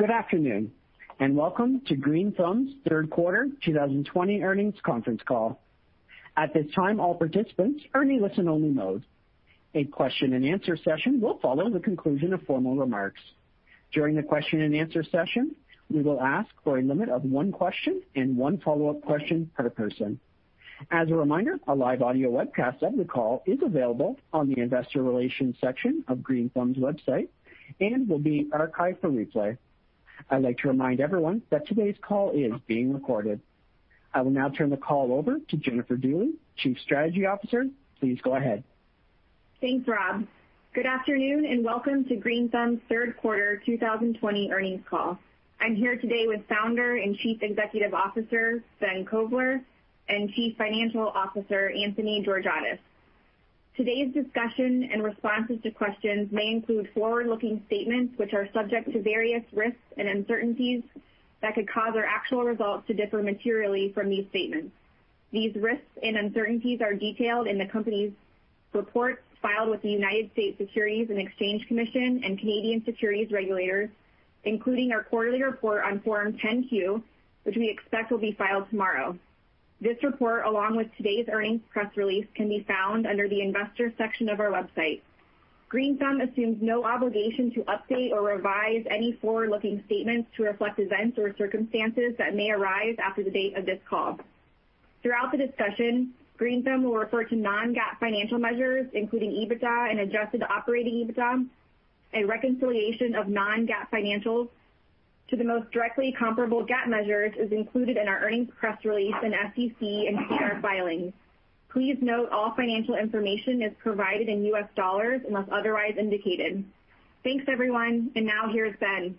Good afternoon, welcome to Green Thumb's Q3 2020 earnings conference call. At this time, all participants are in listen-only mode. A question-and-answer session will follow the conclusion of formal remarks. During the question-and-answer session, we will ask for a limit of one question and one follow-up question per person. As a reminder, a live audio webcast of the call is available on the investor relations section of Green Thumb's website and will be archived for replay. I'd like to remind everyone that today's call is being recorded. I will now turn the call over to Jennifer Dooley, Chief Strategy Officer. Please go ahead. Thanks, Rob. Good afternoon, welcome to Green Thumb's Q3 2020 earnings call. I'm here today with Founder and Chief Executive Officer, Ben Kovler, and Chief Financial Officer, Anthony Georgiadis. Today's discussion and responses to questions may include forward-looking statements which are subject to various risks and uncertainties that could cause our actual results to differ materially from these statements. These risks and uncertainties are detailed in the company's reports filed with the United States Securities and Exchange Commission and Canadian securities regulators, including our quarterly report on Form 10-Q, which we expect will be filed tomorrow. This report, along with today's earnings press release, can be found under the investors section of our website. Green Thumb assumes no obligation to update or revise any forward-looking statements to reflect events or circumstances that may arise after the date of this call. Throughout the discussion, Green Thumb will refer to non-GAAP financial measures, including EBITDA and adjusted operating EBITDA, and reconciliation of non-GAAP financials to the most directly comparable GAAP measures is included in our earnings press release and SEC and SEDAR filings. Please note all financial information is provided in US dollars unless otherwise indicated. Thanks, everyone. Now here's Ben.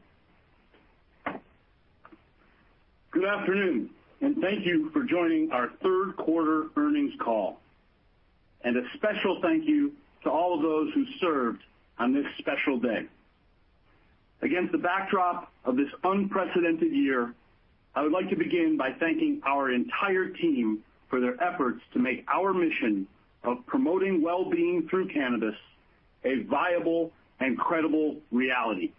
Good afternoon, and thank you for joining our Q3 earnings call. A special thank you to all of those who served on this special day. Against the backdrop of this unprecedented year, I would like to begin by thanking our entire team for their efforts to make our mission of promoting well-being through cannabis a viable and credible reality.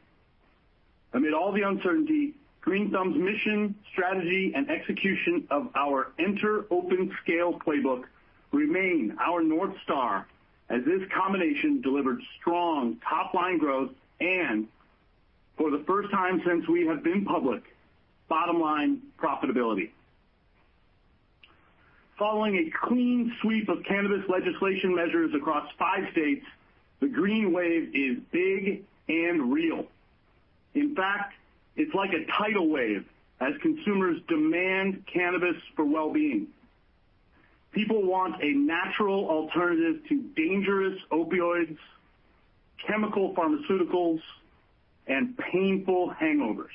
Amid all the uncertainty, Green Thumb's mission, strategy, and execution of our Enter, Open, Scale playbook remain our North Star, as this combination delivered strong top-line growth and, for the first time since we have been public, bottom-line profitability. Following a clean sweep of cannabis legislation measures across five states, the green wave is big and real. In fact, it's like a tidal wave, as consumers demand cannabis for well-being. People want a natural alternative to dangerous opioids, chemical pharmaceuticals, and painful hangovers.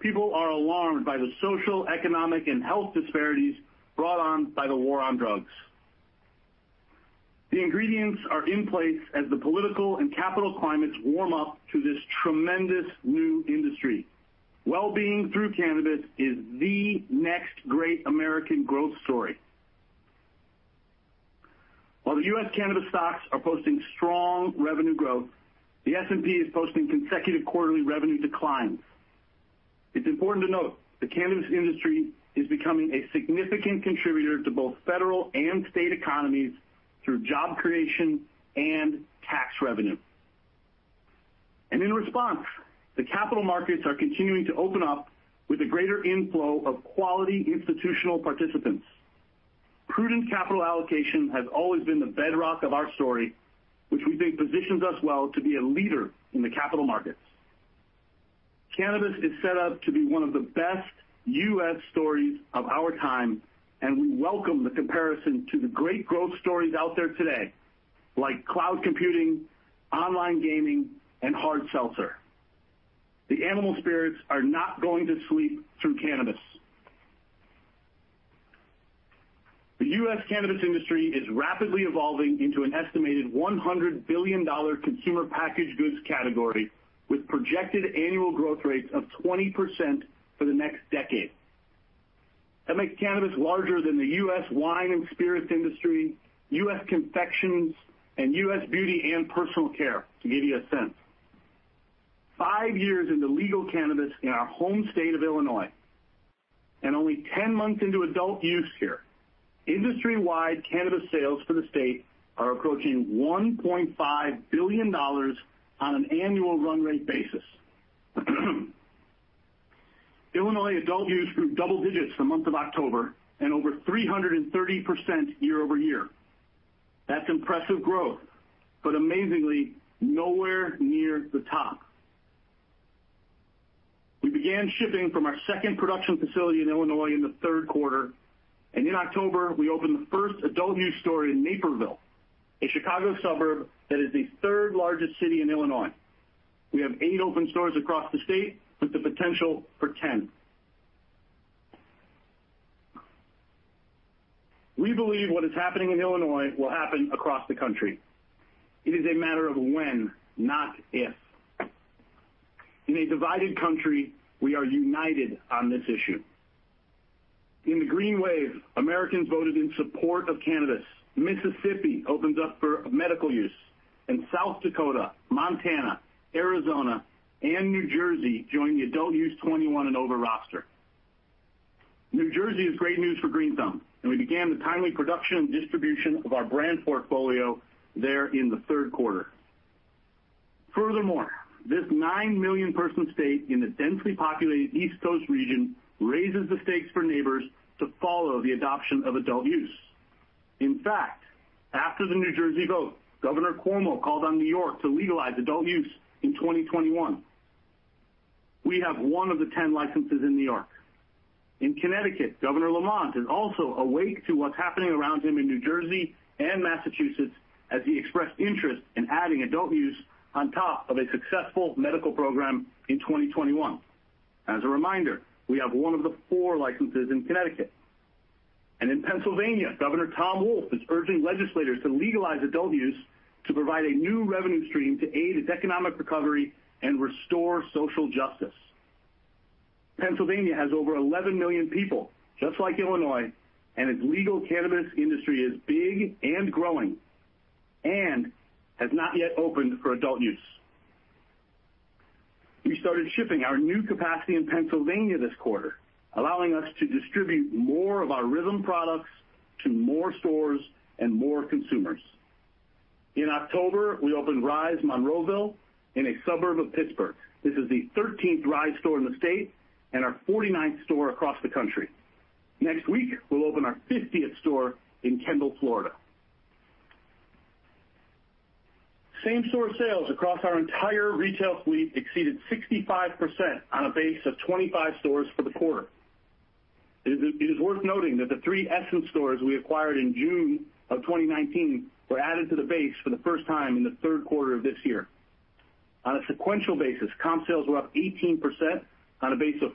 People are alarmed by the social, economic, and health disparities brought on by the war on drugs. The ingredients are in place as the political and capital climates warm up to this tremendous new industry. Well-being through cannabis is the next great American growth story. While the U.S. cannabis stocks are posting strong revenue growth, the S&P is posting consecutive quarterly revenue declines. It's important to note the cannabis industry is becoming a significant contributor to both federal and state economies through job creation and tax revenue. In response, the capital markets are continuing to open up with a greater inflow of quality institutional participants. Prudent capital allocation has always been the bedrock of our story, which we think positions us well to be a leader in the capital markets. Cannabis is set up to be one of the best U.S. stories of our time, and we welcome the comparison to the great growth stories out there today, like cloud computing, online gaming, and hard seltzer. The animal spirits are not going to sleep through cannabis. The U.S. cannabis industry is rapidly evolving into an estimated $100 billion consumer packaged goods category, with projected annual growth rates of 20% for the next decade. That makes cannabis larger than the U.S. wine and spirits industry, U.S. confections, and U.S. beauty and personal care, to give you a sense. Five years into legal cannabis in our home state of Illinois, and only 10 months into adult use here, industry-wide cannabis sales for the state are approaching $1.5 billion on an annual run rate basis. Illinois adult use grew double digits the month of October, and over 330% year-over-year. That's impressive growth, but amazingly nowhere near the top. We began shipping from our second production facility in Illinois in the Q3, and in October, we opened the first adult use store in Naperville, a Chicago suburb that is the third-largest city in Illinois. We have eight open stores across the state, with the potential for 10. We believe what is happening in Illinois will happen across the country. It is a matter of when, not if. In a divided country, we are united on this issue. In the green wave, Americans voted in support of cannabis. Mississippi opened up for medical use. South Dakota, Montana, Arizona, and New Jersey joined the adult-use 21 and over roster. New Jersey is great news for Green Thumb, and we began the timely production and distribution of our brand portfolio there in the Q3. Furthermore, this 9 million-person state in the densely populated East Coast region raises the stakes for neighbors to follow the adoption of adult use. In fact, after the New Jersey vote, Governor Cuomo called on New York to legalize adult use in 2021. We have one of the 10 licenses in New York. In Connecticut, Governor Lamont is also awake to what's happening around him in New Jersey and Massachusetts, as he expressed interest in adding adult use on top of a successful medical program in 2021. As a reminder, we have one of the four licenses in Connecticut. In Pennsylvania, Governor Tom Wolf is urging legislators to legalize adult use to provide a new revenue stream to aid its economic recovery and restore social justice. Pennsylvania has over 11 million people, just like Illinois, and its legal cannabis industry is big and growing, and has not yet opened for adult use. We started shipping our new capacity in Pennsylvania this quarter, allowing us to distribute more of our RYTHM products to more stores and more consumers. In October, we opened Rise Monroeville in a suburb of Pittsburgh. This is the 13th Rise store in the state, and our 49th store across the country. Next week, we'll open our 50th store in Kendall, Florida. Same-store sales across our entire retail fleet exceeded 65% on a base of 25 stores for the quarter. It is worth noting that the three Essence stores we acquired in June of 2019 were added to the base for the first time in the Q3 of this year. On a sequential basis, comp sales were up 18% on a base of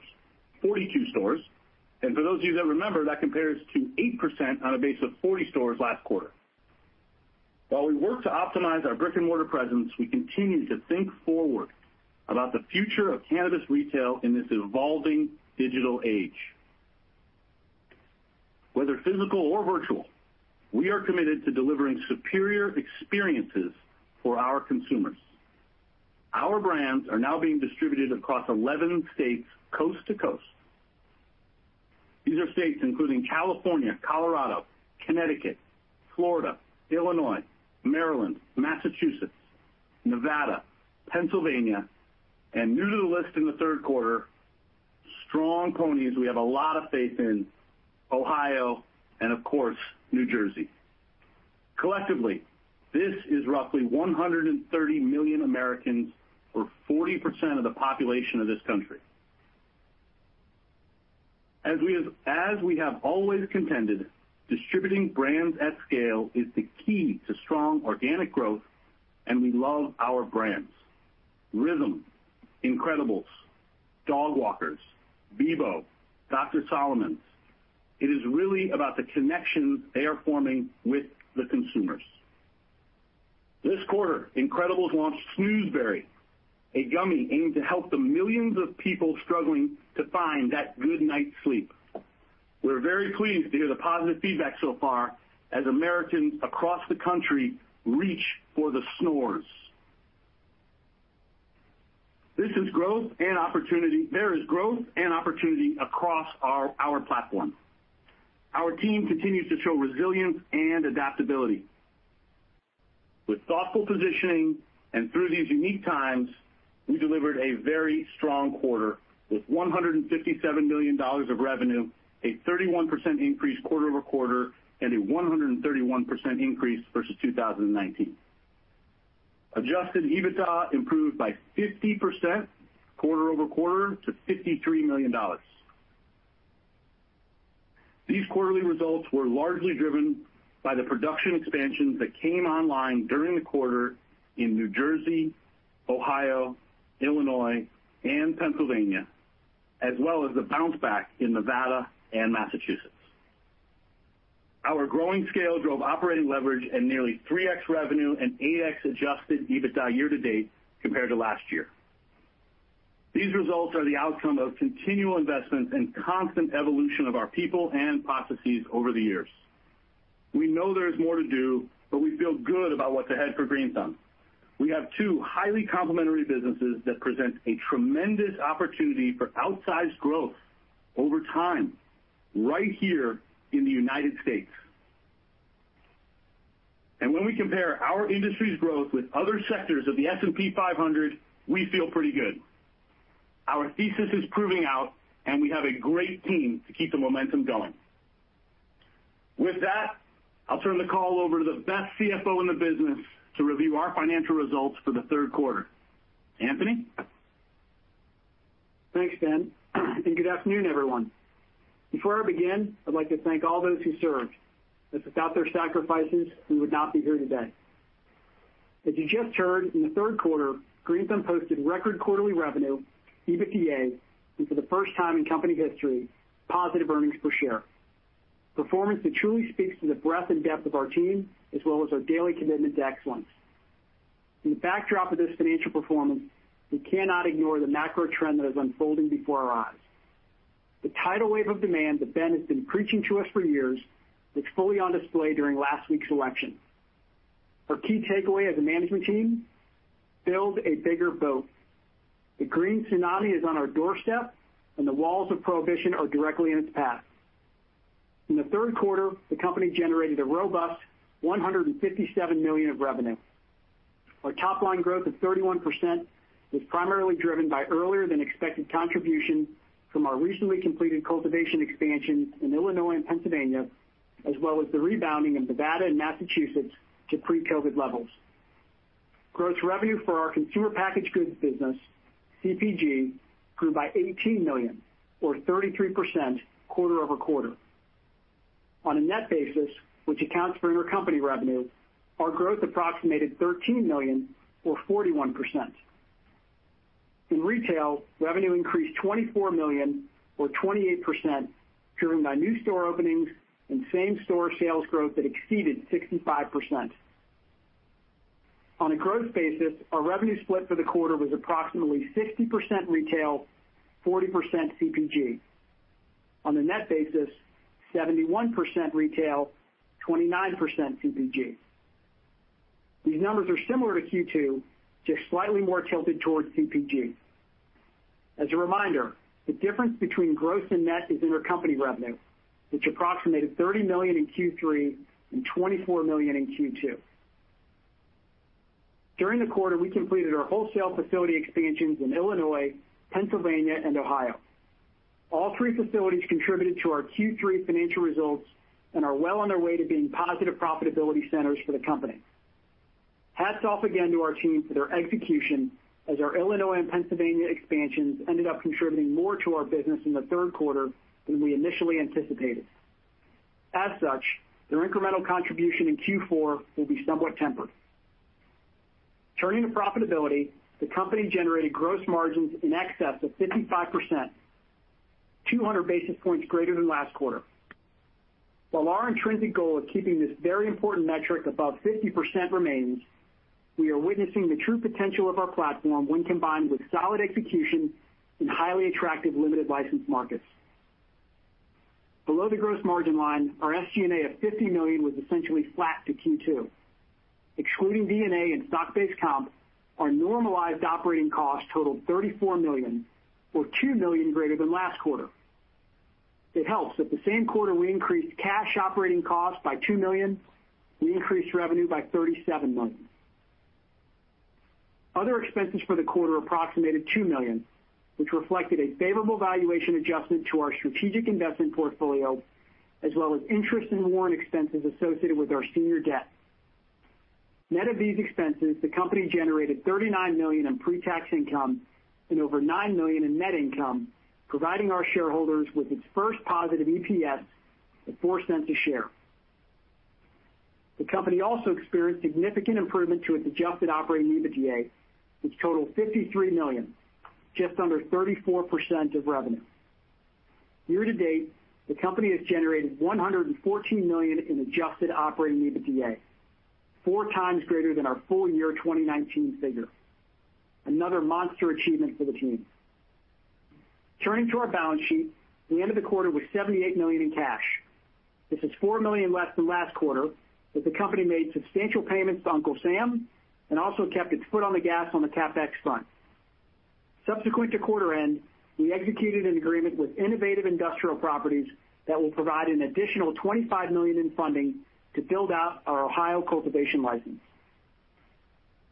42 stores. For those of you that remember, that compares to 8% on a base of 40 stores last quarter. While we work to optimize our brick-and-mortar presence, we continue to think forward about the future of cannabis retail in this evolving digital age. Whether physical or virtual, we are committed to delivering superior experiences for our consumers. Our brands are now being distributed across 11 states, coast-to-coast. These are states including California, Colorado, Connecticut, Florida, Illinois, Maryland, Massachusetts, Nevada, Pennsylvania, and new to the list in the Q3, strong ponies we have a lot of faith in, Ohio, and of course, New Jersey. Collectively, this is roughly 130 million Americans, or 40% of the population of this country. As we have always contended, distributing brands at scale is the key to strong organic growth, and we love our brands. RYTHM, incredibles, Dogwalkers, Beboe, Dr. Solomon's. It is really about the connections they are forming with the consumers. This quarter, incredibles launched Snoozzzeberry, a gummy aimed to help the millions of people struggling to find that good night's sleep. We're very pleased to hear the positive feedback so far as Americans across the country reach for the snores. There is growth and opportunity across our platform. Our team continues to show resilience and adaptability. With thoughtful positioning and through these unique times, we delivered a very strong quarter with $157 million of revenue, a 31% increase quarter-over-quarter, and a 131% increase versus 2019. Adjusted EBITDA improved by 50% quarter-over-quarter to $53 million. These quarterly results were largely driven by the production expansions that came online during the quarter in New Jersey, Ohio, Illinois, and Pennsylvania, as well as the bounce-back in Nevada and Massachusetts. Our growing scale drove operating leverage at nearly 3X revenue and 8X adjusted EBITDA year to date compared to last year. These results are the outcome of continual investments and constant evolution of our people and processes over the years. We know there is more to do, but we feel good about what's ahead for Green Thumb. We have two highly complementary businesses that present a tremendous opportunity for outsized growth over time, right here in the U.S. When we compare our industry's growth with other sectors of the S&P 500, we feel pretty good. Our thesis is proving out, and we have a great team to keep the momentum going. With that, I'll turn the call over to the best CFO in the business to review our financial results for the Q3. Anthony? Thanks, Ben. Good afternoon, everyone. Before I begin, I'd like to thank all those who served, as without their sacrifices, we would not be here today. As you just heard, in the Q3, Green Thumb posted record quarterly revenue, EBITDA, and for the first time in company history, positive earnings per share. Performance that truly speaks to the breadth and depth of our team, as well as our daily commitment to excellence. In the backdrop of this financial performance, we cannot ignore the macro trend that is unfolding before our eyes. The tidal wave of demand that Ben has been preaching to us for years was fully on display during last week's election. Our key takeaway as a management team, build a bigger boat. The green tsunami is on our doorstep, and the walls of prohibition are directly in its path. In the Q3, the company generated a robust $157 million of revenue. Our top-line growth of 31% was primarily driven by earlier than expected contribution from our recently completed cultivation expansions in Illinois and Pennsylvania, as well as the rebounding of Nevada and Massachusetts to pre-COVID levels. Gross revenue for our consumer packaged goods business, CPG, grew by $18 million, or 33%, quarter-over-quarter. On a net basis, which accounts for intercompany revenue, our growth approximated $13 million or 41%. In retail, revenue increased $24 million or 28%, driven by new store openings and same-store sales growth that exceeded 65%. On a gross basis, our revenue split for the quarter was approximately 60% retail, 40% CPG. On a net basis, 71% retail, 29% CPG. These numbers are similar to Q2, just slightly more tilted towards CPG. As a reminder, the difference between gross and net is intercompany revenue, which approximated $30 million in Q3 and $24 million in Q2. During the quarter, we completed our wholesale facility expansions in Illinois, Pennsylvania, and Ohio. All three facilities contributed to our Q3 financial results and are well on their way to being positive profitability centers for the company. Hats off again to our team for their execution, as our Illinois and Pennsylvania expansions ended up contributing more to our business in the Q3 than we initially anticipated. As such, their incremental contribution in Q4 will be somewhat tempered. Turning to profitability, the company generated gross margins in excess of 55%, 200 basis points greater than last quarter. While our intrinsic goal of keeping this very important metric above 50% remains, we are witnessing the true potential of our platform when combined with solid execution in highly attractive limited license markets. Below the gross margin line, our SG&A of $50 million was essentially flat to Q2. Excluding D&A and stock-based comp, our normalized operating costs totaled $34 million, or $2 million greater than last quarter. It helps that the same quarter we increased cash operating costs by $2 million, we increased revenue by $37 million. Other expenses for the quarter approximated $2 million, which reflected a favorable valuation adjustment to our strategic investment portfolio, as well as interest and warrant expenses associated with our senior debt. Net of these expenses, the company generated $39 million in pre-tax income and over $9 million in net income, providing our shareholders with its first positive EPS of $0.04 a share. The company also experienced significant improvement to its adjusted operating EBITDA, which totaled $53 million, just under 34% of revenue. Year-to-date, the company has generated $114 million in adjusted operating EBITDA, 4x greater than our full year 2019 figure. Another monster achievement for the team. Turning to our balance sheet, the end of the quarter was $78 million in cash. This is $4 million less than last quarter, as the company made substantial payments to Uncle Sam and also kept its foot on the gas on the CapEx front. Subsequent to quarter-end, we executed an agreement with Innovative Industrial Properties that will provide an additional $25 million in funding to build out our Ohio cultivation license.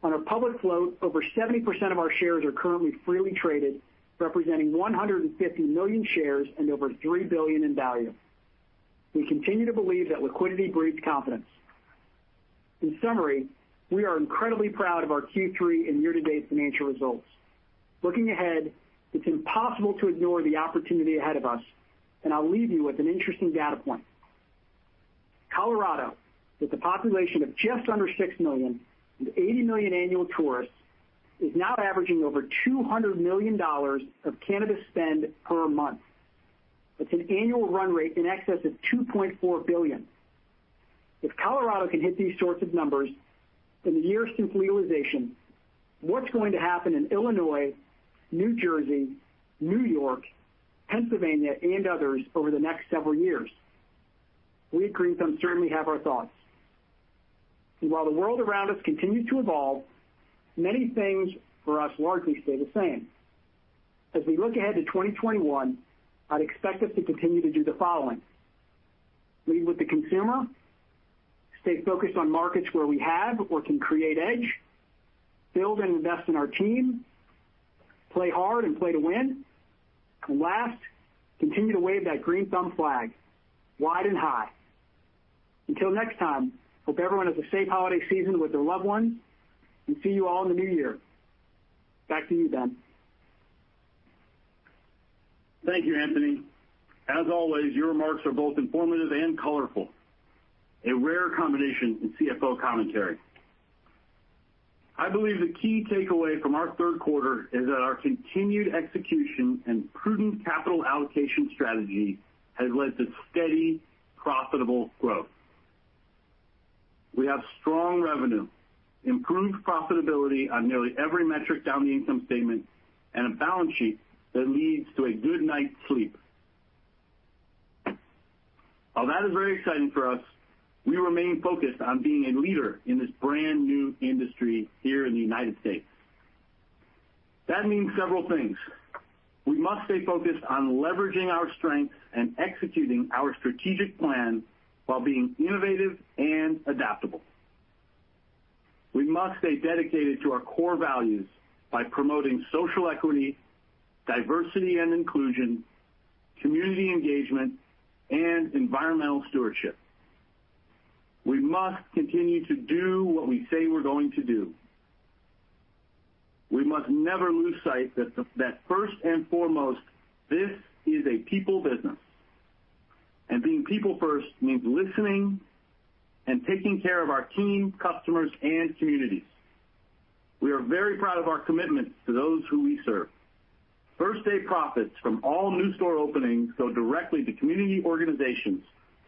On our public float, over 70% of our shares are currently freely traded, representing 150 million shares and over $3 billion in value. We continue to believe that liquidity breeds confidence. In summary, we are incredibly proud of our Q3 and year-to-date financial results. Looking ahead, it's impossible to ignore the opportunity ahead of us, and I'll leave you with an interesting data point. Colorado, with a population of just under six million and 80 million annual tourists, is now averaging over $200 million of cannabis spend per month. That's an annual run rate in excess of $2.4 billion. If Colorado can hit these sorts of numbers in the year since legalization, what's going to happen in Illinois, New Jersey, New York, Pennsylvania, and others over the next several years? We at Green Thumb certainly have our thoughts. While the world around us continues to evolve, many things for us largely stay the same. As we look ahead to 2021, I'd expect us to continue to do the following, lead with the consumer, stay focused on markets where we have or can create edge, build and invest in our team, play hard and play to win, and last, continue to wave that Green Thumb flag wide and high. Until next time, hope everyone has a safe holiday season with their loved ones, and see you all in the new year. Back to you, Ben. Thank you, Anthony. As always, your remarks are both informative and colorful, a rare combination in CFO commentary. I believe the key takeaway from our Q3 is that our continued execution and prudent capital allocation strategy has led to steady, profitable growth. We have strong revenue, improved profitability on nearly every metric down the income statement, and a balance sheet that leads to a good night's sleep. While that is very exciting for us, we remain focused on being a leader in this brand-new industry here in the United States. That means several things. We must stay focused on leveraging our strengths and executing our strategic plan while being innovative and adaptable. We must stay dedicated to our core values by promoting social equity, diversity and inclusion, community engagement, and environmental stewardship. We must continue to do what we say we're going to do. We must never lose sight that first and foremost, this is a people business. Being people first means listening and taking care of our team, customers, and communities. We are very proud of our commitment to those who we serve. First-day profits from all new store openings go directly to community organizations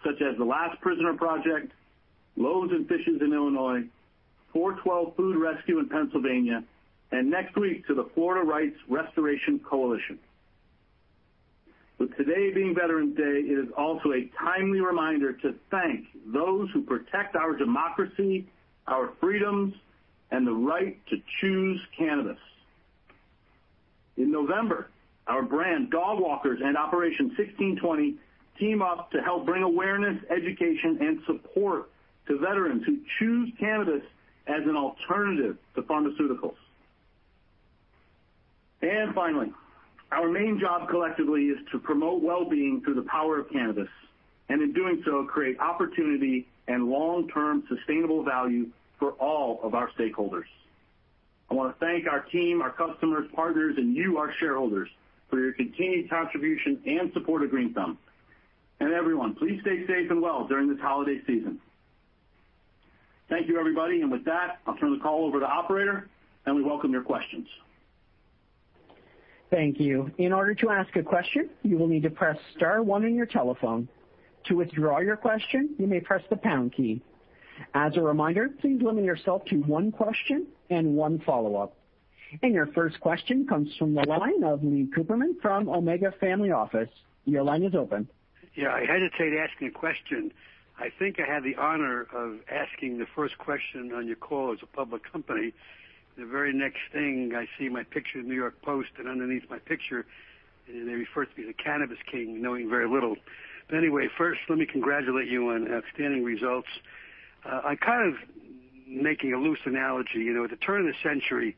such as the Last Prisoner Project, Loaves & Fishes in Illinois, 412 Food Rescue in Pennsylvania, and next week to the Florida Rights Restoration Coalition. With today being Veterans Day, it is also a timely reminder to thank those who protect our democracy, our freedoms, and the right to choose cannabis. In November, our brand, Dogwalkers and Operation 1620 teamed up to help bring awareness, education, and support to veterans who choose cannabis as an alternative to pharmaceuticals. Finally, our main job collectively is to promote wellbeing through the power of cannabis, and in doing so, create opportunity and long-term sustainable value for all of our stakeholders. I want to thank our team, our customers, partners, and you, our shareholders, for your continued contribution and support of Green Thumb. Everyone, please stay safe and well during this holiday season. Thank you, everybody. With that, I'll turn the call over to the operator, and we welcome your questions. Thank you. In order to ask a question, you will need to press star one on your telephone. To withdraw your question, you may press the pound key. As a reminder, please limit yourself to one question and one follow-up. Your first question comes from the line of Lee Cooperman from Omega Family Office. Your line is open. Yeah, I hesitate asking a question. I think I had the honor of asking the first question on your call as a public company. The very next thing I see my picture in New York Post, and underneath my picture, they refer to me as a cannabis king, knowing very little. Anyway, first, let me congratulate you on outstanding results. I'm kind of making a loose analogy. At the turn of the century,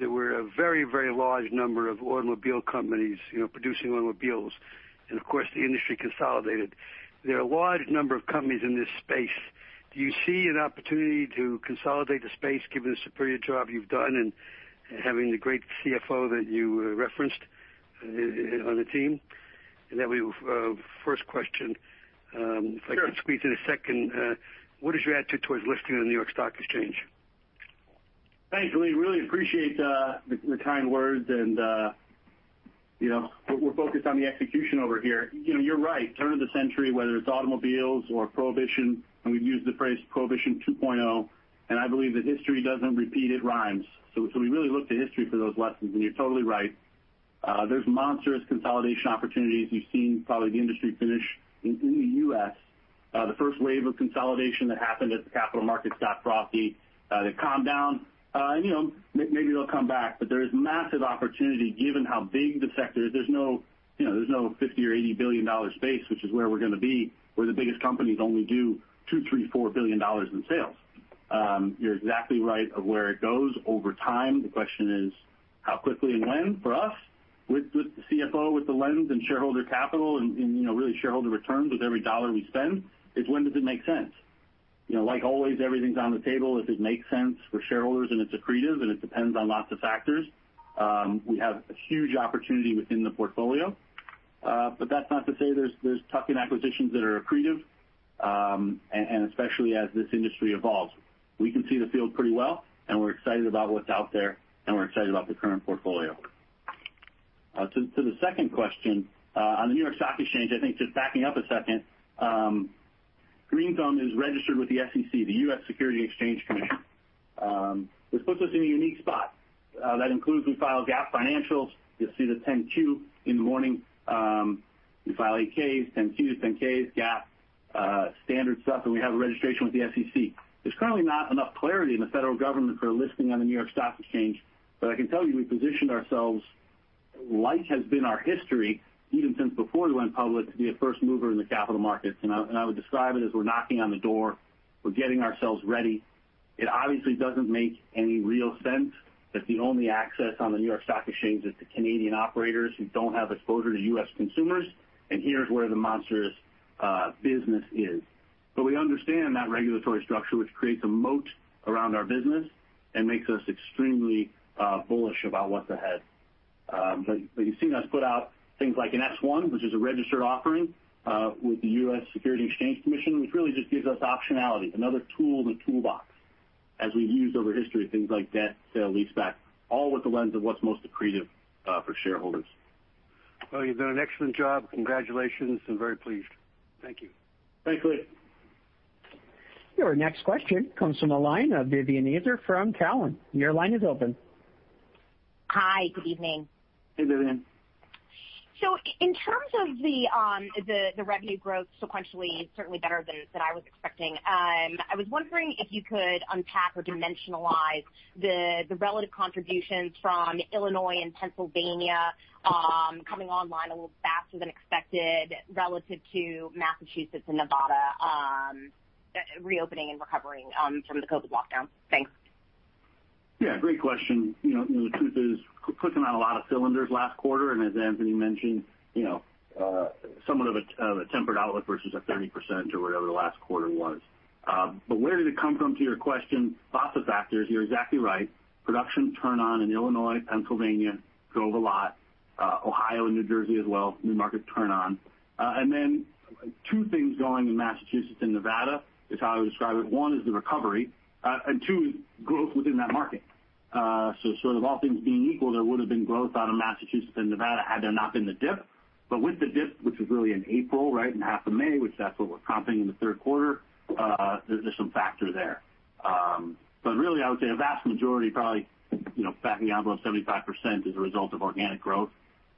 there were a very large number of automobile companies producing automobiles, and of course, the industry consolidated. There are a large number of companies in this space. Do you see an opportunity to consolidate the space given the superior job you've done and having the great CFO that you referenced on the team? That would be first question. Sure. If I could squeeze in a second, what is your attitude towards listing on the New York Stock Exchange? Thanks, Lee. Really appreciate the kind words. We're focused on the execution over here. You're right, turn of the century, whether it's automobiles or prohibition, and we've used the phrase Prohibition 2.0, and I believe that history doesn't repeat, it rhymes. We really look to history for those lessons, and you're totally right. There's monstrous consolidation opportunities. You've seen probably the industry finish in the U.S. The first wave of consolidation that happened as the capital markets got frothy. They've calmed down. Maybe they'll come back, but there is massive opportunity given how big the sector is. There's no $50 billion or $80 billion space, which is where we're going to be, where the biggest companies only do $2 billion, $3 billion, $4 billion in sales. You're exactly right of where it goes over time. The question is how quickly and when. For us, with the CFO, with the lens and shareholder capital and really shareholder returns with every dollar we spend, is when does it make sense? Like always, everything's on the table if it makes sense for shareholders and it's accretive, and it depends on lots of factors. We have a huge opportunity within the portfolio. But that's not to say there's tuck-in acquisitions that are accretive, and especially as this industry evolves. We can see the field pretty well, and we're excited about what's out there, and we're excited about the current portfolio. To the second question, on the New York Stock Exchange, I think just backing up a second, Green Thumb is registered with the SEC, the U.S. Securities and Exchange Commission. This puts us in a unique spot. That includes we file GAAP financials. You'll see the 10-Q in the morning. We file 8-Ks, 10-Qs, 10-Ks, GAAP, standard stuff, and we have a registration with the SEC. There's currently not enough clarity in the federal government for a listing on the New York Stock Exchange, but I can tell you we positioned ourselves like has been our history even since before we went public, to be a first mover in the capital markets. I would describe it as we're knocking on the door. We're getting ourselves ready. It obviously doesn't make any real sense that the only access on the New York Stock Exchange is the Canadian operators who don't have exposure to U.S. consumers, and here's where the monstrous business is. We understand that regulatory structure, which creates a moat around our business and makes us extremely bullish about what's ahead. You've seen us put out things like an S-1, which is a registered offering, with the U.S. Securities Exchange Commission, which really just gives us optionality, another tool in the toolbox. As we've used over history, things like debt sale, leaseback, all with the lens of what's most accretive for shareholders. Well, you've done an excellent job. Congratulations, I'm very pleased. Thank you. Thanks, Lee. Your next question comes from the line of Vivien Azer from Cowen. Your line is open. Hi, good evening. Hey, Vivien. In terms of the revenue growth sequentially, certainly better than I was expecting. I was wondering if you could unpack or dimensionalize the relative contributions from Illinois and Pennsylvania, coming online a little faster than expected relative to Massachusetts and Nevada, reopening and recovering from the COVID lockdown. Thanks. Yeah, great question. The truth is, clicking on a lot of cylinders last quarter, as Anthony mentioned, somewhat of a tempered outlook versus a 30% or whatever the last quarter was. Where did it come from, to your question, lots of factors. You're exactly right. Production turn on in Illinois, Pennsylvania, drove a lot. Ohio and New Jersey as well. New market turn on. Then two things going in Massachusetts and Nevada is how I would describe it. One is the recovery, and two is growth within that market. All things being equal, there would've been growth out of Massachusetts and Nevada had there not been the dip. With the dip, which was really in April, right? Half of May, which that's what we're comping in the Q3, there's some factor there. Really, I would say a vast majority probably, back of the envelope, 75% is a result of organic growth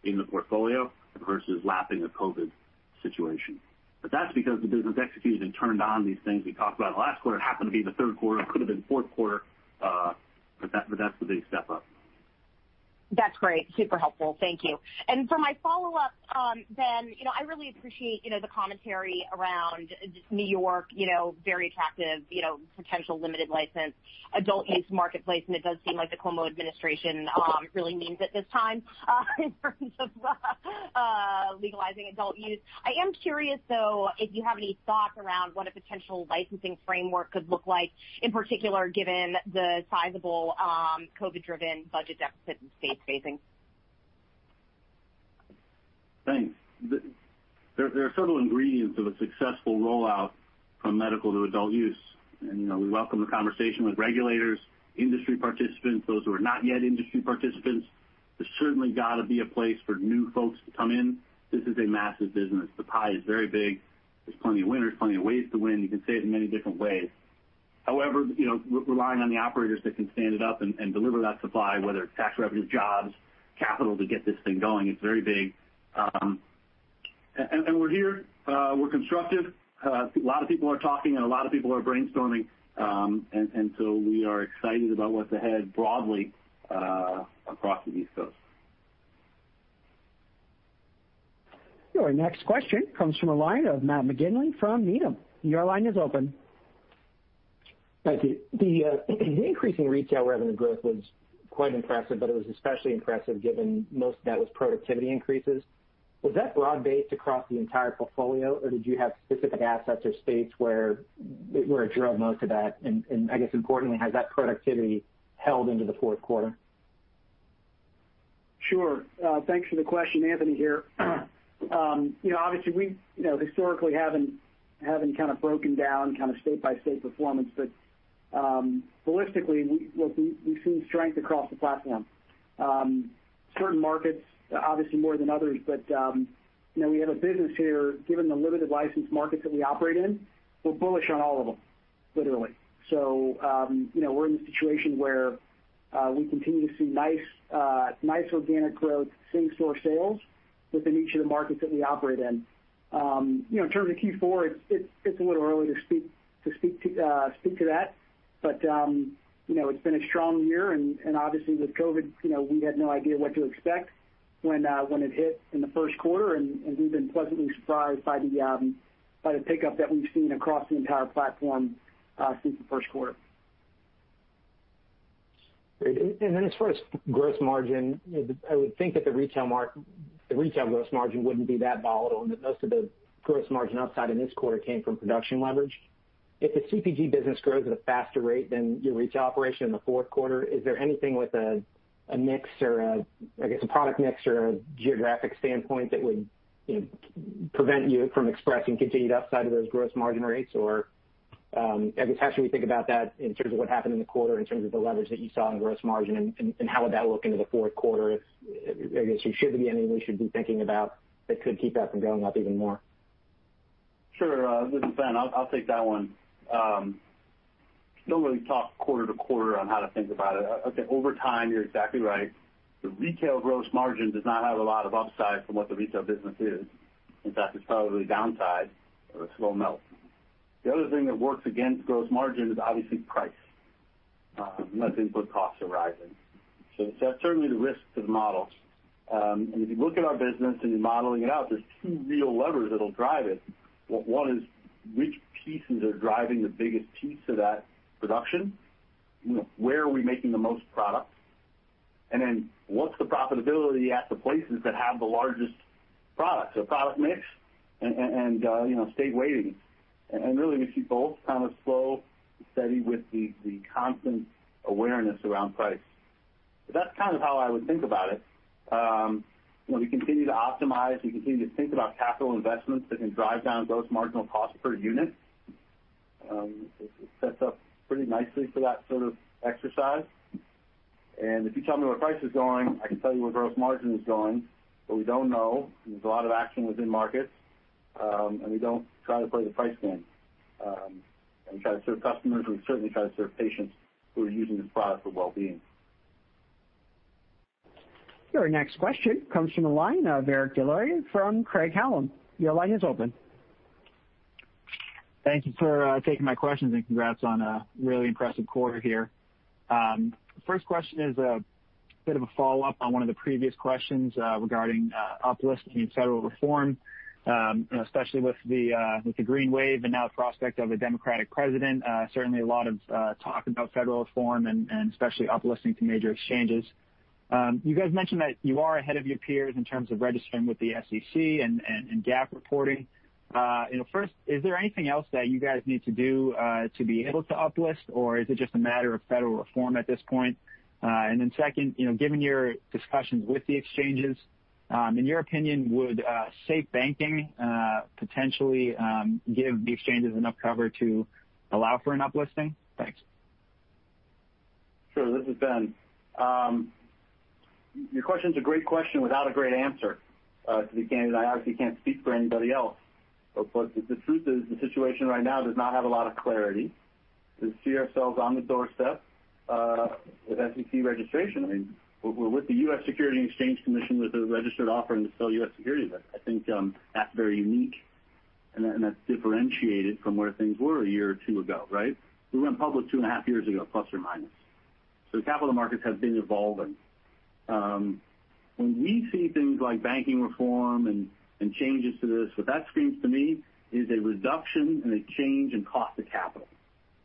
in the portfolio versus lapping a COVID situation. That's because the business executed and turned on these things we talked about last quarter. It happened to be the Q3, it could've been Q4, but that's the big step up. That's great. Super helpful. Thank you. For my follow-up, Ben, I really appreciate the commentary around just New York, very attractive, potential limited license, adult use marketplace. It does seem like the Cuomo administration really means it this time in terms of legalizing adult use. I am curious, though, if you have any thoughts around what a potential licensing framework could look like, in particular, given the sizable, COVID-driven budget deficit the state's facing. Thanks. There are several ingredients of a successful rollout from medical to adult use. We welcome the conversation with regulators, industry participants, those who are not yet industry participants. There's certainly got to be a place for new folks to come in. This is a massive business. The pie is very big. There's plenty of winners, plenty of ways to win. You can say it in many different ways. However, relying on the operators that can stand it up and deliver that supply, whether it's tax revenue, jobs, capital to get this thing going, it's very big. We're here. We're constructive. A lot of people are talking, and a lot of people are brainstorming. We are excited about what's ahead broadly, across the East Coast. Your next question comes from the line of Matt McGinley from Needham. Your line is open. Thank you. The increasing retail revenue growth was quite impressive, but it was especially impressive given most of that was productivity increases. Was that broad-based across the entire portfolio, or did you have specific assets or states where it drove most of that? I guess importantly, has that productivity held into the Q4? Sure. Thanks for the question, Anthony here. We historically haven't broken down state-by-state performance. Holistically, we've seen strength across the platform. Certain markets, obviously, more than others. We have a business here, given the limited licensed markets that we operate in, we're bullish on all of them, literally. We're in the situation where we continue to see nice organic growth, same-store sales within each of the markets that we operate in. In terms of Q4, it's a little early to speak to that. It's been a strong year, and obviously with COVID, we had no idea what to expect when it hit in the Q1, and we've been pleasantly surprised by the pickup that we've seen across the entire platform, since the Q1. As far as gross margin, I would think that the retail gross margin wouldn't be that volatile, and that most of the gross margin upside in this quarter came from production leverage. If the CPG business grows at a faster rate than your retail operation in the Q4, is there anything with a mix or, I guess, a product mix or a geographic standpoint that would prevent you from expressing continued upside of those gross margin rates? I guess, how should we think about that in terms of what happened in the quarter, in terms of the leverage that you saw in gross margin, and how would that look into the Q4? I guess if should be anything we should be thinking about that could keep that from going up even more. Sure. This is Ben. I'll take that one. Don't really talk quarter-to-quarter on how to think about it. I think over time, you're exactly right. The retail gross margin does not have a lot of upside from what the retail business is. In fact, it's probably downside or a slow melt. The other thing that works against gross margin is obviously price, unless input costs are rising. That's certainly the risk to the model. If you look at our business and you're modeling it out, there's two real levers that'll drive it. One is which pieces are driving the biggest piece of that production? Where are we making the most product? What's the profitability at the places that have the largest product? Product mix and state weightings. Really, we keep both kind of slow and steady with the constant awareness around price. That's kind of how I would think about it. When we continue to optimize, we continue to think about capital investments that can drive down gross marginal cost per unit. It sets up pretty nicely for that sort of exercise. If you tell me where price is going, I can tell you where gross margin is going. We don't know, and there's a lot of action within markets, and we don't try to play the price game. We try to serve customers, and we certainly try to serve patients who are using this product for wellbeing. Your next question comes from the line of Eric Des Lauriers from Craig-Hallum. Your line is open. Thank you for taking my questions. Congrats on a really impressive quarter here. First question is a bit of a follow-up on one of the previous questions regarding uplisting federal reform, especially with the green wave and now prospect of a Democratic president. Certainly a lot of talk about federal reform and especially uplisting to major exchanges. You guys mentioned that you are ahead of your peers in terms of registering with the SEC and GAAP reporting. First, is there anything else that you guys need to do to be able to uplist, or is it just a matter of federal reform at this point? Second, given your discussions with the exchanges, in your opinion, would SAFE Banking potentially give the exchanges enough cover to allow for an uplisting? Thanks. Sure. This is Ben. Your question's a great question without a great answer to begin, and I obviously can't speak for anybody else. The truth is, the situation right now does not have a lot of clarity, because we see ourselves on the doorstep, with SEC registration. I mean, we're with the U.S. Securities and Exchange Commission with a registered offering to sell U.S. securities. I think that's very unique, and that's differentiated from where things were a year or two ago, right? We went public two and a half years ago, plus or minus. The capital markets have been evolving. When we see things like banking reform and changes to this, what that screams to me is a reduction and a change in cost of capital.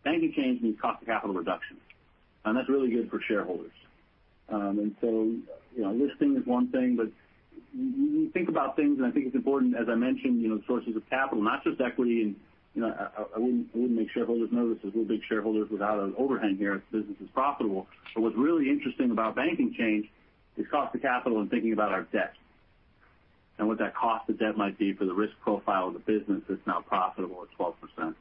Banking change means cost of capital reduction, and that's really good for shareholders. Listing is one thing, but when you think about things, and I think it's important, as I mentioned, sources of capital. Not just equity, and I wouldn't make shareholders nervous because we'll make shareholders without an overhang here if the business is profitable. What's really interesting about banking change is cost of capital and thinking about our debt, and what that cost of debt might be for the risk profile of the business that's now profitable at 12%.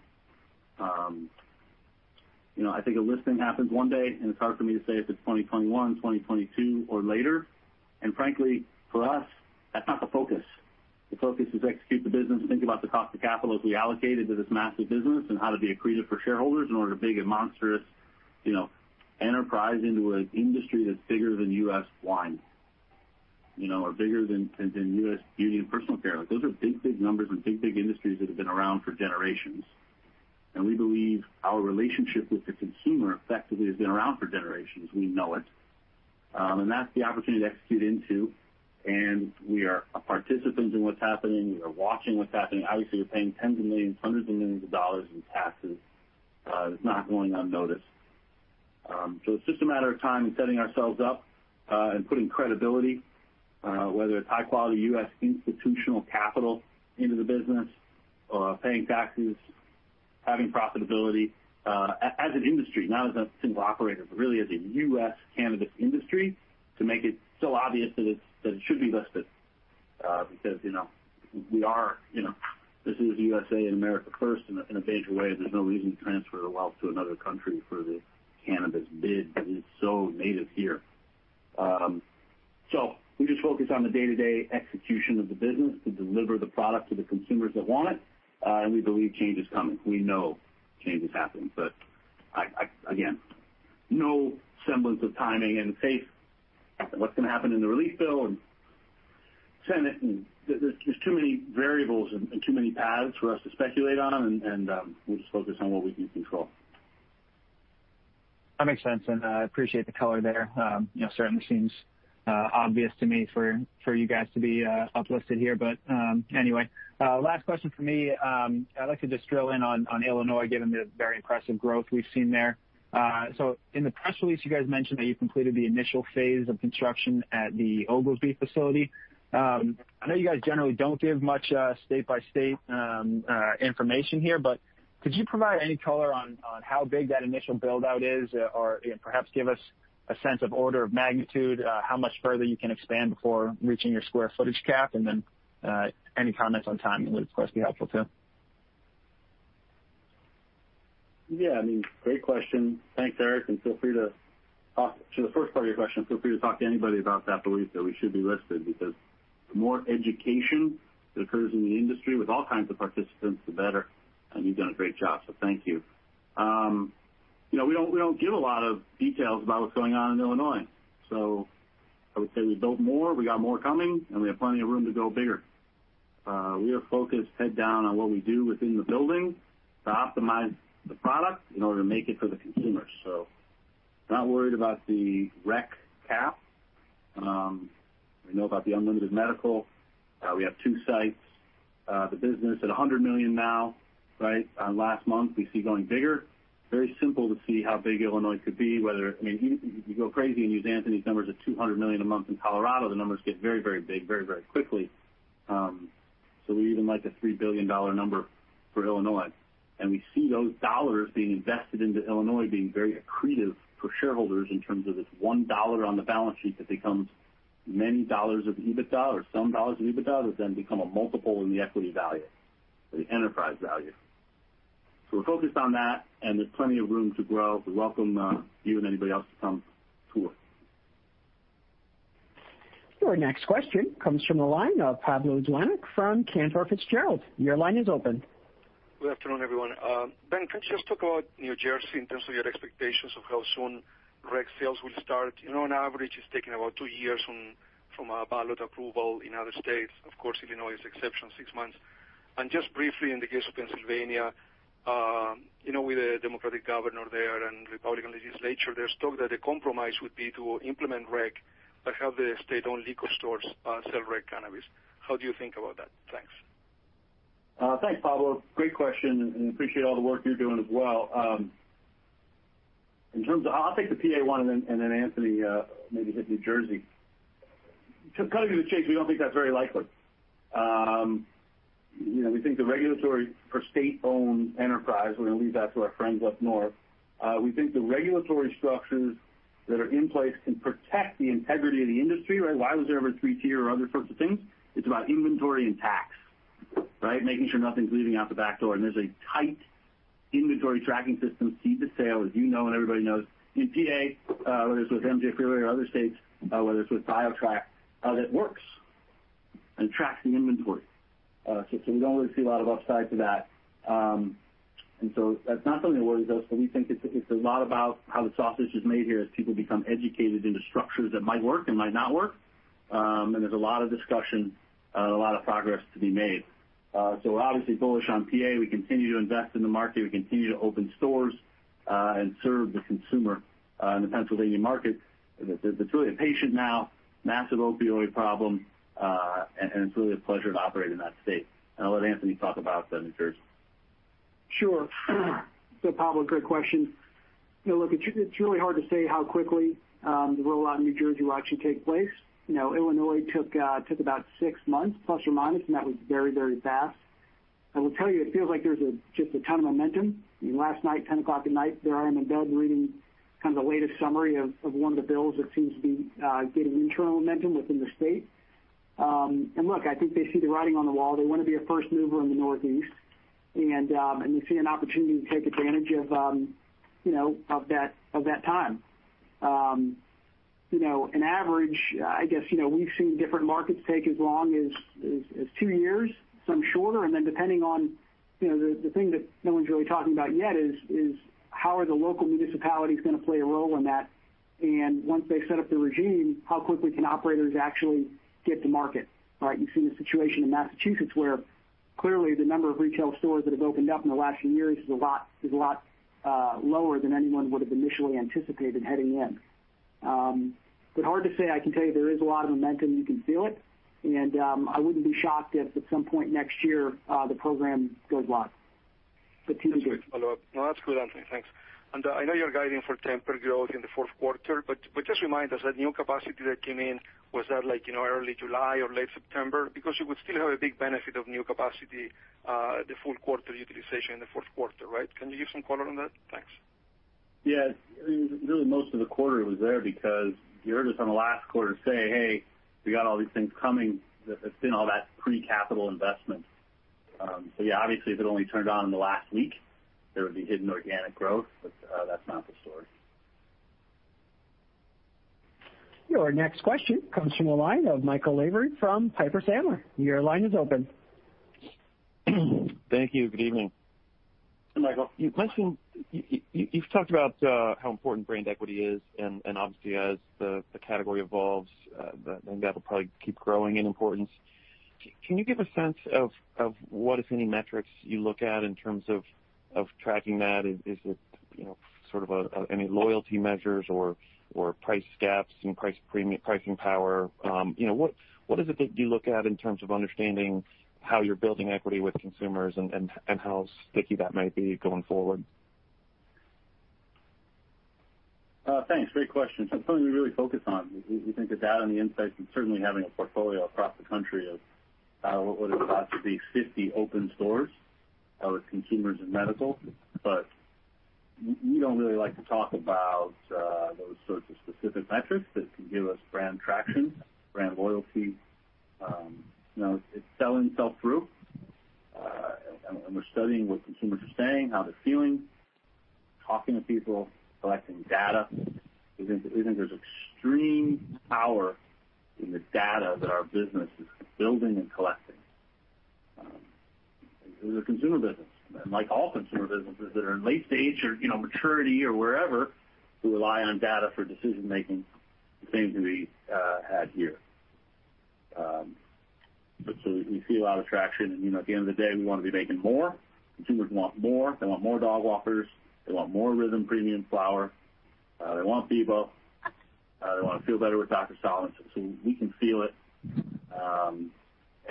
I think a listing happens one day, and it's hard for me to say if it's 2021, 2022, or later. Frankly, for us, that's not the focus. The focus is to execute the business and think about the cost of capital as we allocate it to this massive business and how to be accretive for shareholders in order to build a monstrous enterprise into an industry that's bigger than U.S. wine. Bigger than U.S. beauty and personal care. Those are big, big numbers and big, big industries that have been around for generations. We believe our relationship with the consumer effectively has been around for generations. We know it. That's the opportunity to execute into, and we are participants in what's happening. We are watching what's happening. Obviously, we're paying tens of millions, hundreds of millions of dollars in taxes. It's not going unnoticed. It's just a matter of time and setting ourselves up, and putting credibility, whether it's high-quality U.S. institutional capital into the business or paying taxes, having profitability, as an industry, not as a single operator, but really as a U.S. cannabis industry, to make it so obvious that it should be listed. This is the U.S.A. and America first in a major way. There's no reason to transfer the wealth to another country for the cannabis bid that is so native here. We just focus on the day-to-day execution of the business to deliver the product to the consumers that want it, and we believe change is coming. We know change is happening. Again, no semblance of timing and safe. What's going to happen in the relief bill and Senate. There's just too many variables and too many paths for us to speculate on. We'll just focus on what we can control. That makes sense, and I appreciate the color there. Certainly seems obvious to me for you guys to be uplisted here. Last question from me. I'd like to just drill in on Illinois, given the very impressive growth we've seen there. In the press release, you guys mentioned that you completed the initial phase of construction at the Oglesby facility. I know you guys generally don't give much state-by-state information here, but could you provide any color on how big that initial build-out is? Or perhaps give us a sense of order of magnitude, how much further you can expand before reaching your square footage cap, and then, any comments on timing would, of course, be helpful too. Yeah. I mean, great question. Thanks, Eric, and to the first part of your question, feel free to talk to anybody about that belief that we should be listed, because the more education that occurs in the industry with all kinds of participants, the better, and you've done a great job, so thank you. We don't give a lot of details about what's going on in Illinois. I would say we built more, we got more coming, and we have plenty of room to go bigger. We are focused head down on what we do within the building to optimize the product in order to make it for the consumers. We're not worried about the rec cap. We know about the unlimited medical. We have two sites. The business at $100 million now. Last month, we see going bigger. Very simple to see how big Illinois could be. I mean, you go crazy and use Anthony's numbers of $200 million a month in Colorado. The numbers get very, very big very, very quickly. We even like a $3 billion number for Illinois, and we see those dollars being invested into Illinois being very accretive for shareholders in terms of it's $1 on the balance sheet that becomes many dollars of EBITDA or some dollars of EBITDA would then become a multiple in the equity value or the enterprise value. We're focused on that, and there's plenty of room to grow. We welcome you and anybody else to come to us. Your next question comes from the line of Pablo Zuanic from Cantor Fitzgerald. Your line is open. Good afternoon, everyone. Ben, can you just talk about New Jersey in terms of your expectations of how soon rec sales will start? On average, it's taking about two years from a ballot approval in other states. Of course, Illinois is an exception, six months. Just briefly, in the case of Pennsylvania, with a Democratic governor there and Republican legislature, there's talk that a compromise would be to implement rec but have the state-owned liquor stores sell rec cannabis. How do you think about that? Thanks. Thanks, Pablo. Great question. Appreciate all the work you're doing as well. I'll take the PA one and then Anthony, maybe hit New Jersey. To cut to the chase, we don't think that's very likely. We think the regulatory for state-owned enterprise, we're going to leave that to our friends up north. We think the regulatory structures that are in place can protect the integrity of the industry, right? Why was there ever a three-tier or other sorts of things? It's about inventory and tax, right? Making sure nothing's leaving out the back door, and there's a tight inventory tracking system, seed-to-sale, as you know and everybody knows. In PA, whether it's with MJ Freeway or other states, whether it's with BioTrackTHC, that works and tracks the inventory. We don't really see a lot of upside to that. That's not something that worries us, but we think it's a lot about how the sausage is made here as people become educated in the structures that might work and might not work. There's a lot of discussion, a lot of progress to be made. We're obviously bullish on PA. We continue to invest in the market. We continue to open stores and serve the consumer in the Pennsylvania market. It's really a patient now, massive opioid problem, and it's really a pleasure to operate in that state. I'll let Anthony talk about New Jersey. Sure. Pablo, great question. Look, it's really hard to say how quickly the rollout in New Jersey will actually take place. Illinois took about six months, plus or minus, that was very fast. I will tell you, it feels like there's just a ton of momentum. Last night, 10:00 at night, there I am in bed reading kind of the latest summary of one of the bills that seems to be gaining internal momentum within the state. Look, I think they see the writing on the wall. They want to be a first mover in the Northeast, they see an opportunity to take advantage of that time. An average, I guess, we've seen different markets take as long as two years, some shorter, then depending on the thing that no one's really talking about yet is, how are the local municipalities going to play a role in that? Once they set up the regime, how quickly can operators actually get to market? Right? You've seen the situation in Massachusetts where clearly the number of retail stores that have opened up in the last few years is a lot lower than anyone would've initially anticipated heading in. Hard to say. I can tell you there is a lot of momentum. You can feel it, and I wouldn't be shocked if at some point next year, the program goes live. Just a quick follow-up. No, that's good, Anthony. Thanks. I know you're guiding for tempered growth in the Q4, but just remind us, that new capacity that came in, was that early July or late September? You would still have a big benefit of new capacity, the full quarter utilization in the Q4, right? Can you give some color on that? Thanks. Really most of the quarter was there because you heard us on the last quarter say, "Hey, we got all these things coming." It's been all that pre-capital investment. Obviously if it only turned on in the last week, there would be hidden organic growth, but that's not the story. Your next question comes from the line of Michael Lavery from Piper Sandler. Your line is open. Thank you. Good evening. Hi, Michael. You've talked about how important brand equity is, and obviously as the category evolves, then that'll probably keep growing in importance. Can you give a sense of what, if any, metrics you look at in terms of tracking that? Is it sort of any loyalty measures or price gaps and pricing power? What is it that you look at in terms of understanding how you're building equity with consumers and how sticky that might be going forward? Thanks. Great question. It's something we really focus on. We think the data and the insights and certainly having a portfolio across the country of what is about to be 50 open stores with consumers in medical. We don't really like to talk about those sorts of specific metrics that can give us brand traction, brand loyalty. It's selling itself through, and we're studying what consumers are saying, how they're feeling, talking to people, collecting data. We think there's extreme power in the data that our business is building and collecting. This is a consumer business, and like all consumer businesses that are in late stage or maturity or wherever, who rely on data for decision-making, the same can be had here. We see a lot of traction and at the end of the day, we want to be making more. Consumers want more. They want more Dogwalkers. They want more RYTHM premium flower. They want Beboe. They want to feel better with Dr. Solomon's. We can feel it,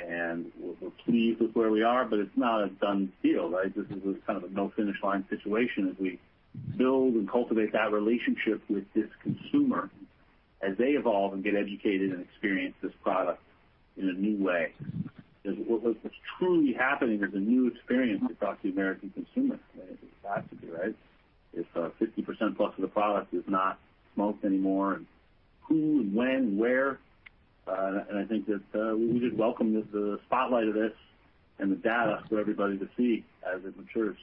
and we're pleased with where we are, but it's not a done deal, right? This is kind of a no finish line situation as we build and cultivate that relationship with this consumer as they evolve and get educated and experience this product in a new way. What's truly happening is a new experience across the American consumer. It has to be, right? If 50%+ of the product is not smoked anymore, and who, when, where, I think that we just welcome the spotlight of this and the data for everybody to see as it matures.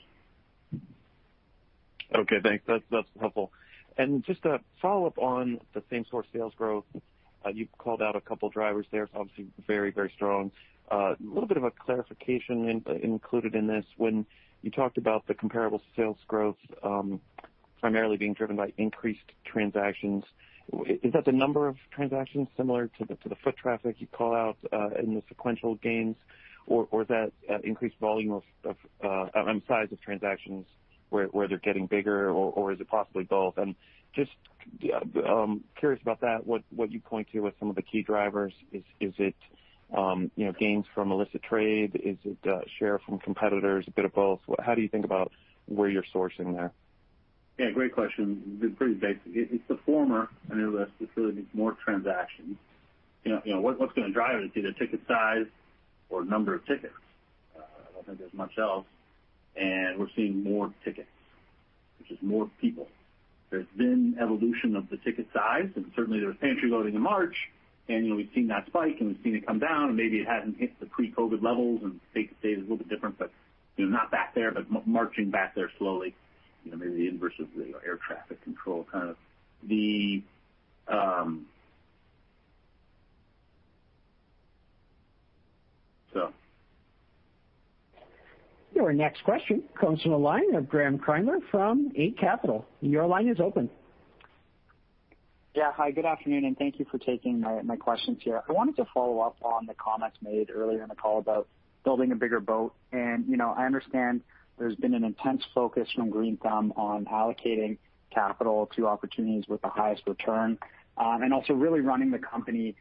Okay, thanks. That's helpful. Just a follow-up on the same-store sales growth. You called out a couple drivers there, obviously very, very strong. A little bit of a clarification included in this. When you talked about the comparable sales growth primarily being driven by increased transactions, is that the number of transactions similar to the foot traffic you call out in the sequential gains, or is that increased volume of, and size of transactions, where they're getting bigger, or is it possibly both? I'm just curious about that, what you point to with some of the key drivers. Is it gains from illicit trade? Is it share from competitors, a bit of both? How do you think about where you're sourcing there? Yeah, great question. Pretty basic. It's the former. I know that it really needs more transactions. What's going to drive it is either ticket size or number of tickets. I don't think there's much else. We're seeing more tickets, which is more people. There's been evolution of the ticket size, and certainly there was pantry loading in March. We've seen that spike, and we've seen it come down, and maybe it hasn't hit the pre-COVID levels, and state to state is a little bit different, but not back there, but marching back there slowly. Your next question comes from the line of Graeme Kreindler from Eight Capital. Your line is open. Yeah. Hi, good afternoon. Thank you for taking my questions here. I wanted to follow up on the comments made earlier in the call about building a bigger boat. I understand there's been an intense focus from Green Thumb on allocating capital to opportunities with the highest return, also really running the company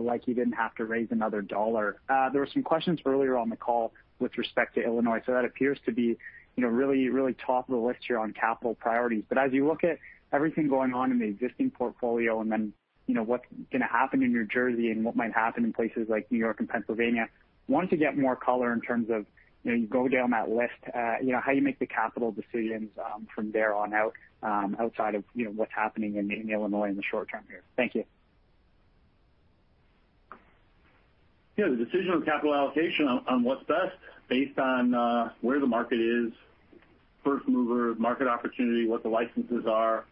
like you didn't have to raise another dollar. There were some questions earlier on the call with respect to Illinois. That appears to be really top of the list here on capital priorities. As you look at everything going on in the existing portfolio and then what's going to happen in New Jersey and what might happen in places like New York and Pennsylvania, wanted to get more color in terms of, you go down that list, how you make the capital decisions from there on out, outside of what's happening in Illinois in the short term here. Thank you. Yeah. The decision on capital allocation on what's best based on where the market is, first mover, market opportunity, what the licenses are,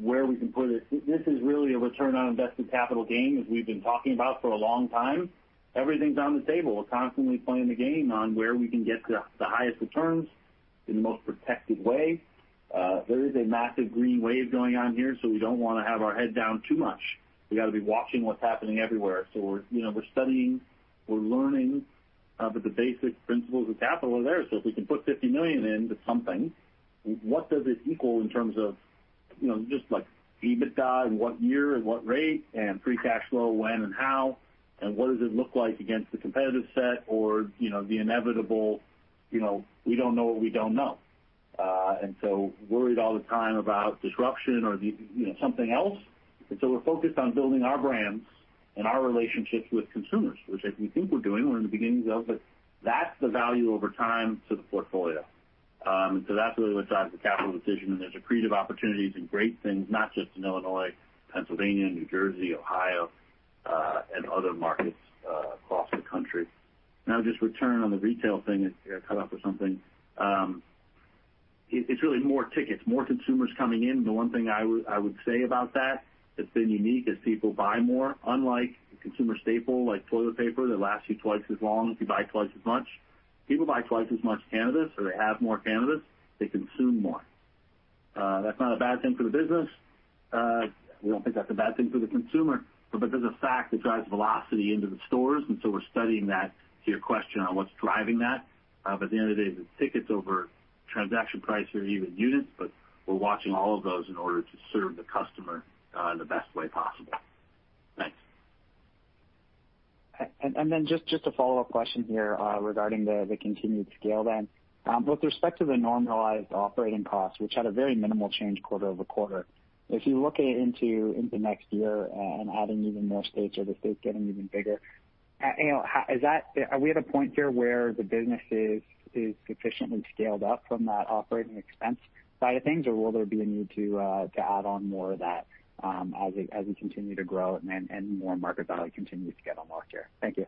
where we can put it. This is really a return on invested capital gain, as we've been talking about for a long time. Everything's on the table. We're constantly playing the game on where we can get the highest returns in the most protected way. There is a massive green wave going on here, so we don't want to have our head down too much. We got to be watching what's happening everywhere. We're studying, we're learning, but the basic principles of capital are there. If we can put $50 million into something, what does it equal in terms of just like EBITDA and what year and what rate and free cash flow, when and how, and what does it look like against the competitive set or the inevitable, we don't know what we don't know. Worried all the time about disruption or something else. We're focused on building our brands and our relationships with consumers, which I think we're doing. We're in the beginning of, but that's the value over time to the portfolio. That's really what drives the capital decision, there's accretive opportunities and great things, not just in Illinois, Pennsylvania, New Jersey, Ohio, and other markets across the country. I would just return on the retail thing, I got cut off or something. It's really more tickets, more consumers coming in. The one thing I would say about that's been unique is people buy more. Unlike a consumer staple, like toilet paper, that lasts you twice as long if you buy twice as much. People buy twice as much cannabis, or they have more cannabis, they consume more. That's not a bad thing for the business. We don't think that's a bad thing for the consumer, but there's a fact that drives velocity into the stores, and so we're studying that to your question on what's driving that. At the end of the day, the ticket's over transaction price or even units, but we're watching all of those in order to serve the customer in the best way possible. Thanks. Just a follow-up question here regarding the continued scale then. With respect to the normalized operating costs, which had a very minimal change quarter-over-quarter, if you look into next year and adding even more states or the states getting even bigger, are we at a point here where the business is sufficiently scaled up from that operating expense side of things, or will there be a need to add on more of that as we continue to grow and more market value continues to get unlocked here? Thank you.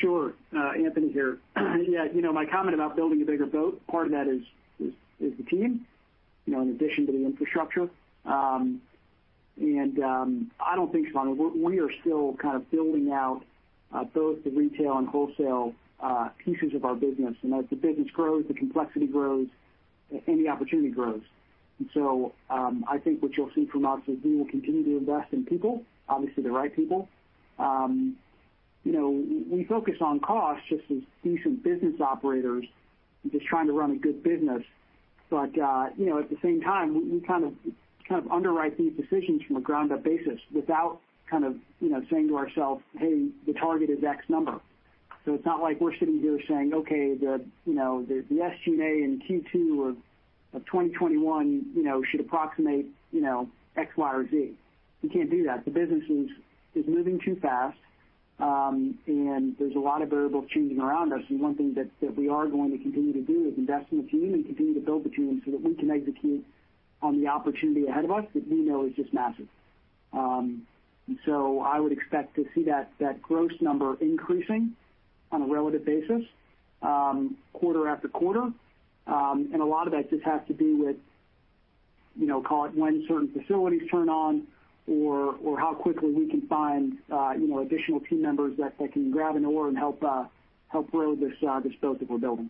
Sure. Anthony here. Yeah, my comment about building a bigger boat, part of that is the team, in addition to the infrastructure. I don't think so. We are still kind of building out both the retail and wholesale pieces of our business. As the business grows, the complexity grows, and the opportunity grows. I think what you'll see from us is we will continue to invest in people, obviously the right people. We focus on cost just as decent business operators just trying to run a good business. At the same time, we kind of underwrite these decisions from a ground-up basis without kind of saying to ourselves, "Hey, the target is X number." It's not like we're sitting here saying, "Okay, the SG&A in Q2 of 2021 should approximate X, Y, or Z." We can't do that. The business is moving too fast, there's a lot of variables changing around us. One thing that we are going to continue to do is invest in the team and continue to build the team so that we can execute on the opportunity ahead of us that we know is just massive. I would expect to see that gross number increasing on a relative basis, quarter-after-quarter. A lot of that just has to do with, call it when certain facilities turn on or how quickly we can find additional team members that can grab an oar and help row this boat that we're building.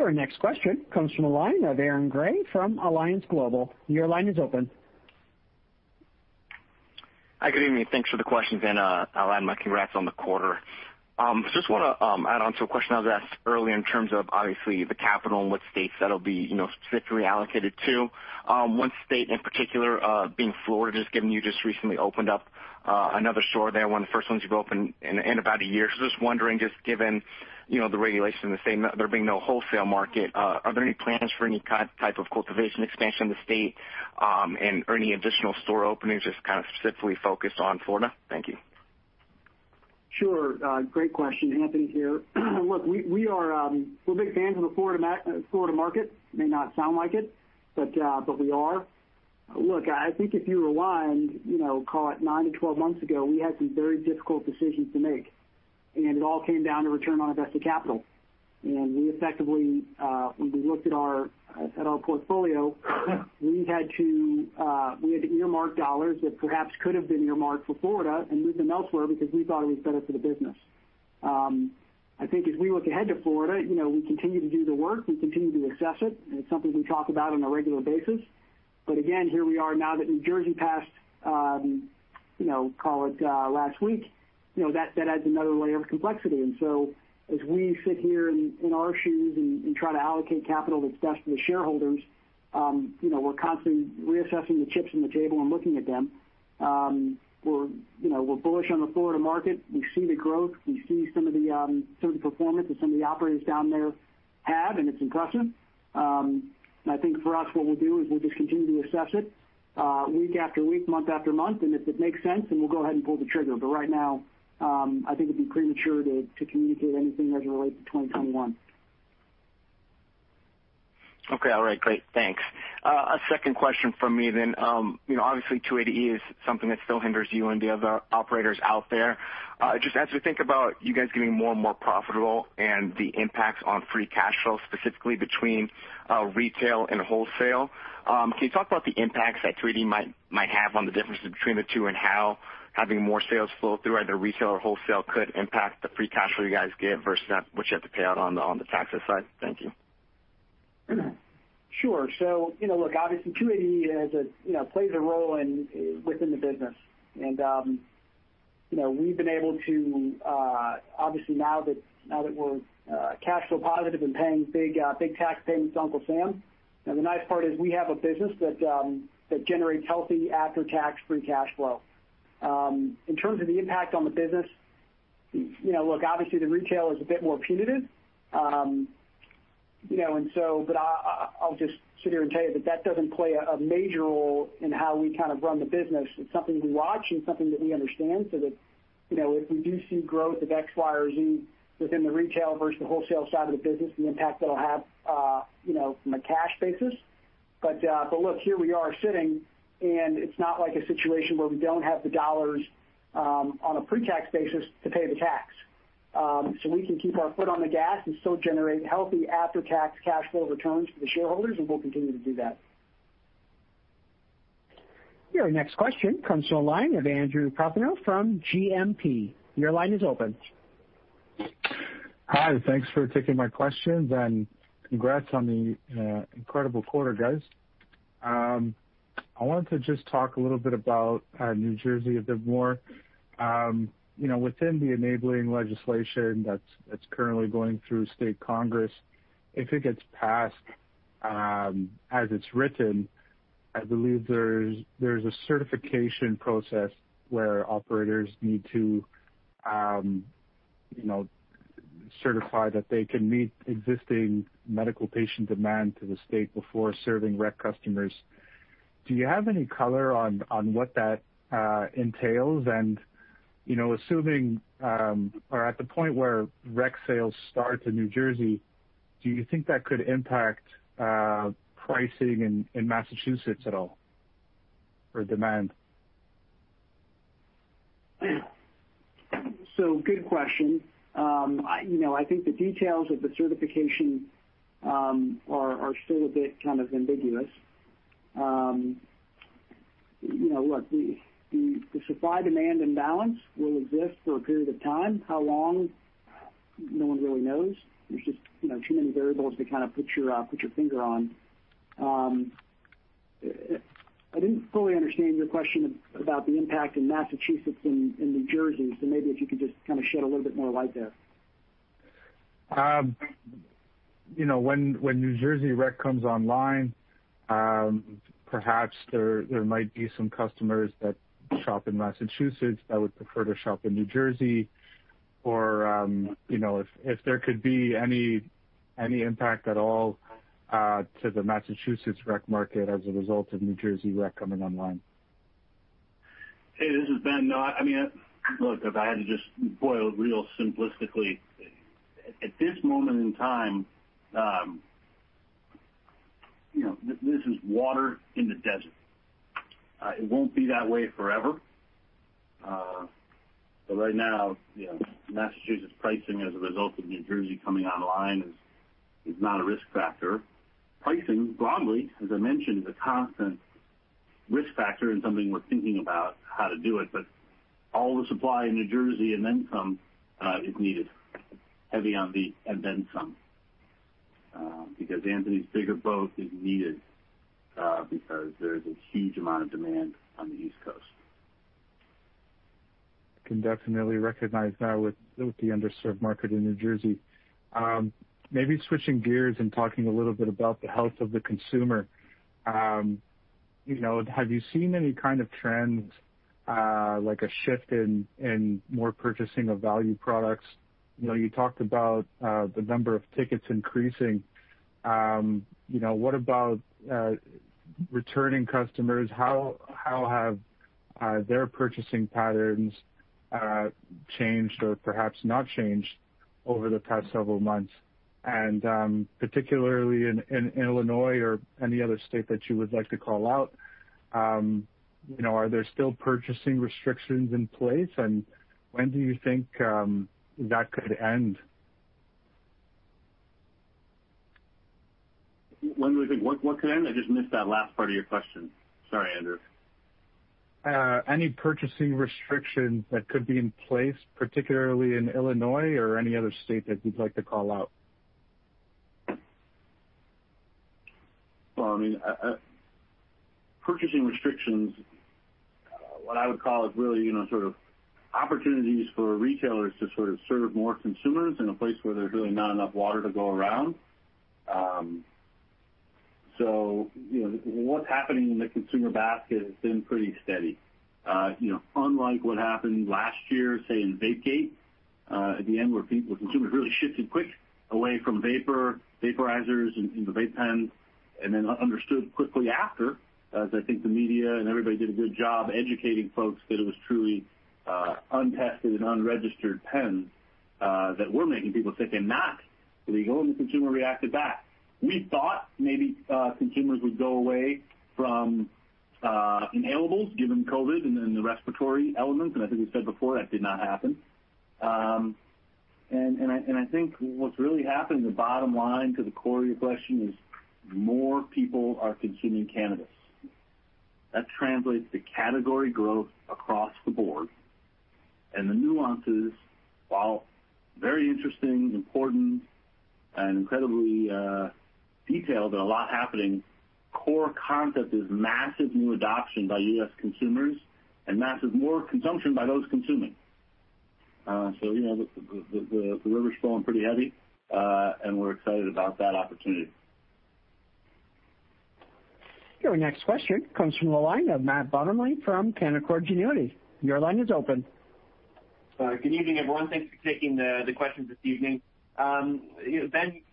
Your next question comes from the line of Aaron Grey from Alliance Global. Your line is open. Hi, good evening. Thanks for the questions, and I'll add my congrats on the quarter. Just want to add on to a question that was asked earlier in terms of, obviously, the capital and what states that'll be specifically allocated to. One state in particular, being Florida, just given you just recently opened up another store there, one of the first ones you've opened in about a year. Just wondering, just given the regulation in the state, there being no wholesale market, are there any plans for any type of cultivation expansion in the state, and are there any additional store openings just kind of specifically focused on Florida? Thank you. Sure. Great question. Anthony here. Look, we're big fans of the Florida market. May not sound like it, but we are. Look, I think if you rewind, call it nine-12 months ago, we had some very difficult decisions to make. It all came down to return on invested capital. We effectively, when we looked at our portfolio, we had to earmark dollars that perhaps could have been earmarked for Florida and move them elsewhere because we thought it was better for the business. I think as we look ahead to Florida, we continue to do the work. We continue to assess it. It's something we talk about on a regular basis. Again, here we are now that New Jersey passed, call it last week. That adds another layer of complexity. As we sit here in our shoes and try to allocate capital that's best for the shareholders, we're constantly reassessing the chips on the table and looking at them. We're bullish on the Florida market. We see the growth. We see some of the performance that some of the operators down there have, and it's impressive. I think for us, what we'll do is we'll just continue to assess it, week after week, month after month, and if it makes sense, then we'll go ahead and pull the trigger. Right now, I think it'd be premature to communicate anything as it relates to 2021. Okay. All right, great. Thanks. A second question from me then. Obviously, Section 280E is something that still hinders you and the other operators out there. Just as we think about you guys getting more and more profitable and the impacts on free cash flow, specifically between retail and wholesale, can you talk about the impacts that Section 280E might have on the differences between the two, and how having more sales flow through either retail or wholesale could impact the free cash flow you guys get versus what you have to pay out on the taxes side? Thank you. Sure. Look, obviously, 280E plays a role within the business. We've been able to, obviously now that we're cash flow positive and paying big tax payments to Uncle Sam, the nice part is we have a business that generates healthy after-tax free cash flow. In terms of the impact on the business, look, obviously, the retail is a bit more punitive. I'll just sit here and tell you that that doesn't play a major role in how we kind of run the business. It's something we watch and something that we understand so that if we do see growth of X, Y, or Z within the retail versus the wholesale side of the business, the impact that'll have from a cash basis. Look, here we are sitting, and it's not like a situation where we don't have the dollars on a pre-tax basis to pay the tax. We can keep our foot on the gas and still generate healthy after-tax cash flow returns for the shareholders, and we'll continue to do that. Your next question comes to the line of Andrew Partheniou from GMP. Your line is open. Hi, thanks for taking my questions, and congrats on the incredible quarter, guys. I wanted to just talk a little bit about New Jersey a bit more. Within the enabling legislation that's currently going through state Congress, if it gets passed as it's written, I believe there's a certification process where operators need to certify that they can meet existing medical patient demand to the state before serving rec customers. Do you have any color on what that entails? Assuming, or at the point where rec sales start in New Jersey, do you think that could impact pricing in Massachusetts at all for demand? Good question. I think the details of the certification are still a bit kind of ambiguous. Look, the supply-demand imbalance will exist for a period of time. How long? No one really knows. There's just too many variables to kind of put your finger on. I didn't fully understand your question about the impact in Massachusetts and New Jersey, maybe if you could just kind of shed a little bit more light there. When New Jersey rec comes online, perhaps there might be some customers that shop in Massachusetts that would prefer to shop in New Jersey. If there could be any impact at all to the Massachusetts rec market as a result of New Jersey rec coming online. Hey, this is Ben. Look, if I had to just boil real simplistically, at this moment in time, this is water in the desert. It won't be that way forever. Right now, Massachusetts pricing as a result of New Jersey coming online is not a risk factor. Pricing broadly, as I mentioned, is a constant risk factor and something we're thinking about how to do it. All the supply in New Jersey and then some is needed, heavy on the and then some. Anthony's bigger boat is needed, because there is a huge amount of demand on the East Coast. Can definitely recognize that with the underserved market in New Jersey. Switching gears and talking a little bit about the health of the consumer. Have you seen any kind of trends, like a shift in more purchasing of value products? You talked about the number of tickets increasing. What about returning customers? How have their purchasing patterns changed or perhaps not changed over the past several months? Particularly in Illinois or any other state that you would like to call out, are there still purchasing restrictions in place, and when do you think that could end? When do we think what could end? I just missed that last part of your question. Sorry, Andrew. Any purchasing restrictions that could be in place, particularly in Illinois or any other state that you'd like to call out? Purchasing restrictions, what I would call is really sort of opportunities for retailers to sort of serve more consumers in a place where there's really not enough water to go around. What's happening in the consumer basket has been pretty steady. Unlike what happened last year, say, in vapegate, at the end, where people, consumers really shifted quick away from vaporizers and the vape pens, and then understood quickly after, as I think the media and everybody did a good job educating folks that it was truly untested and unregistered pens that were making people sick and not legal, and the consumer reacted back. We thought maybe consumers would go away from inhalables given COVID and the respiratory elements, and I think we said before, that did not happen. I think what's really happened, the bottom line to the core of your question is more people are consuming cannabis. That translates to category growth across the board. The nuances, while very interesting, important, and incredibly detailed, and a lot happening, core concept is massive new adoption by U.S. consumers and massive more consumption by those consuming. The river's flowing pretty heavy. We're excited about that opportunity. Your next question comes from the line of Matt Bottomley from Canaccord Genuity. Your line is open. Good evening, everyone. Thanks for taking the questions this evening. Ben,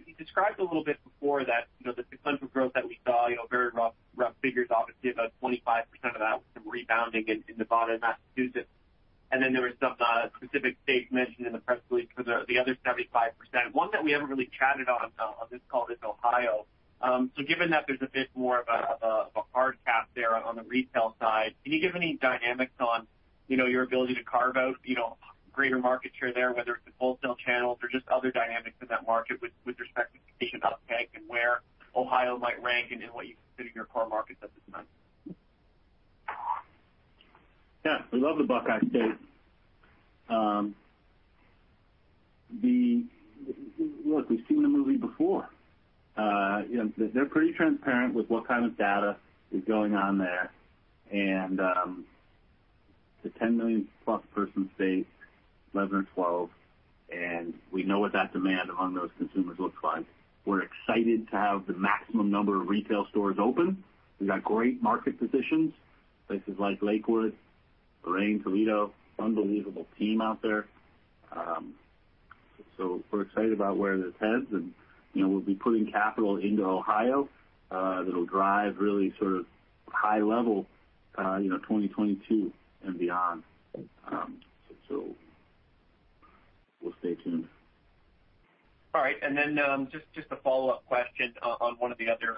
you described a little bit before that the sequential growth that we saw, very rough figures, obviously about 25% of that was some rebounding in Nevada and Massachusetts. Then there was some specific states mentioned in the press release for the other 75%. One that we haven't really chatted on this call is Ohio. Given that there's a bit more of a hard cap there on the retail side, can you give any dynamics on your ability to carve out greater market share there, whether it's the wholesale channels or just other dynamics in that market with respect to thinking about the bank and where Ohio might rank and in what you consider your core markets at this moment? Yeah. We love the Buckeye State. Look, we've seen the movie before. They're pretty transparent with what kind of data is going on there. It's a 10 million+ person state, 11 or 12, and we know what that demand among those consumers looks like. We're excited to have the maximum number of retail stores open. We've got great market positions, places like Lakewood, Lorain, Toledo. Unbelievable team out there. We're excited about where this heads and we'll be putting capital into Ohio, that'll drive really sort of high level 2022 and beyond. We'll stay tuned. All right. Just a follow-up question on one of the other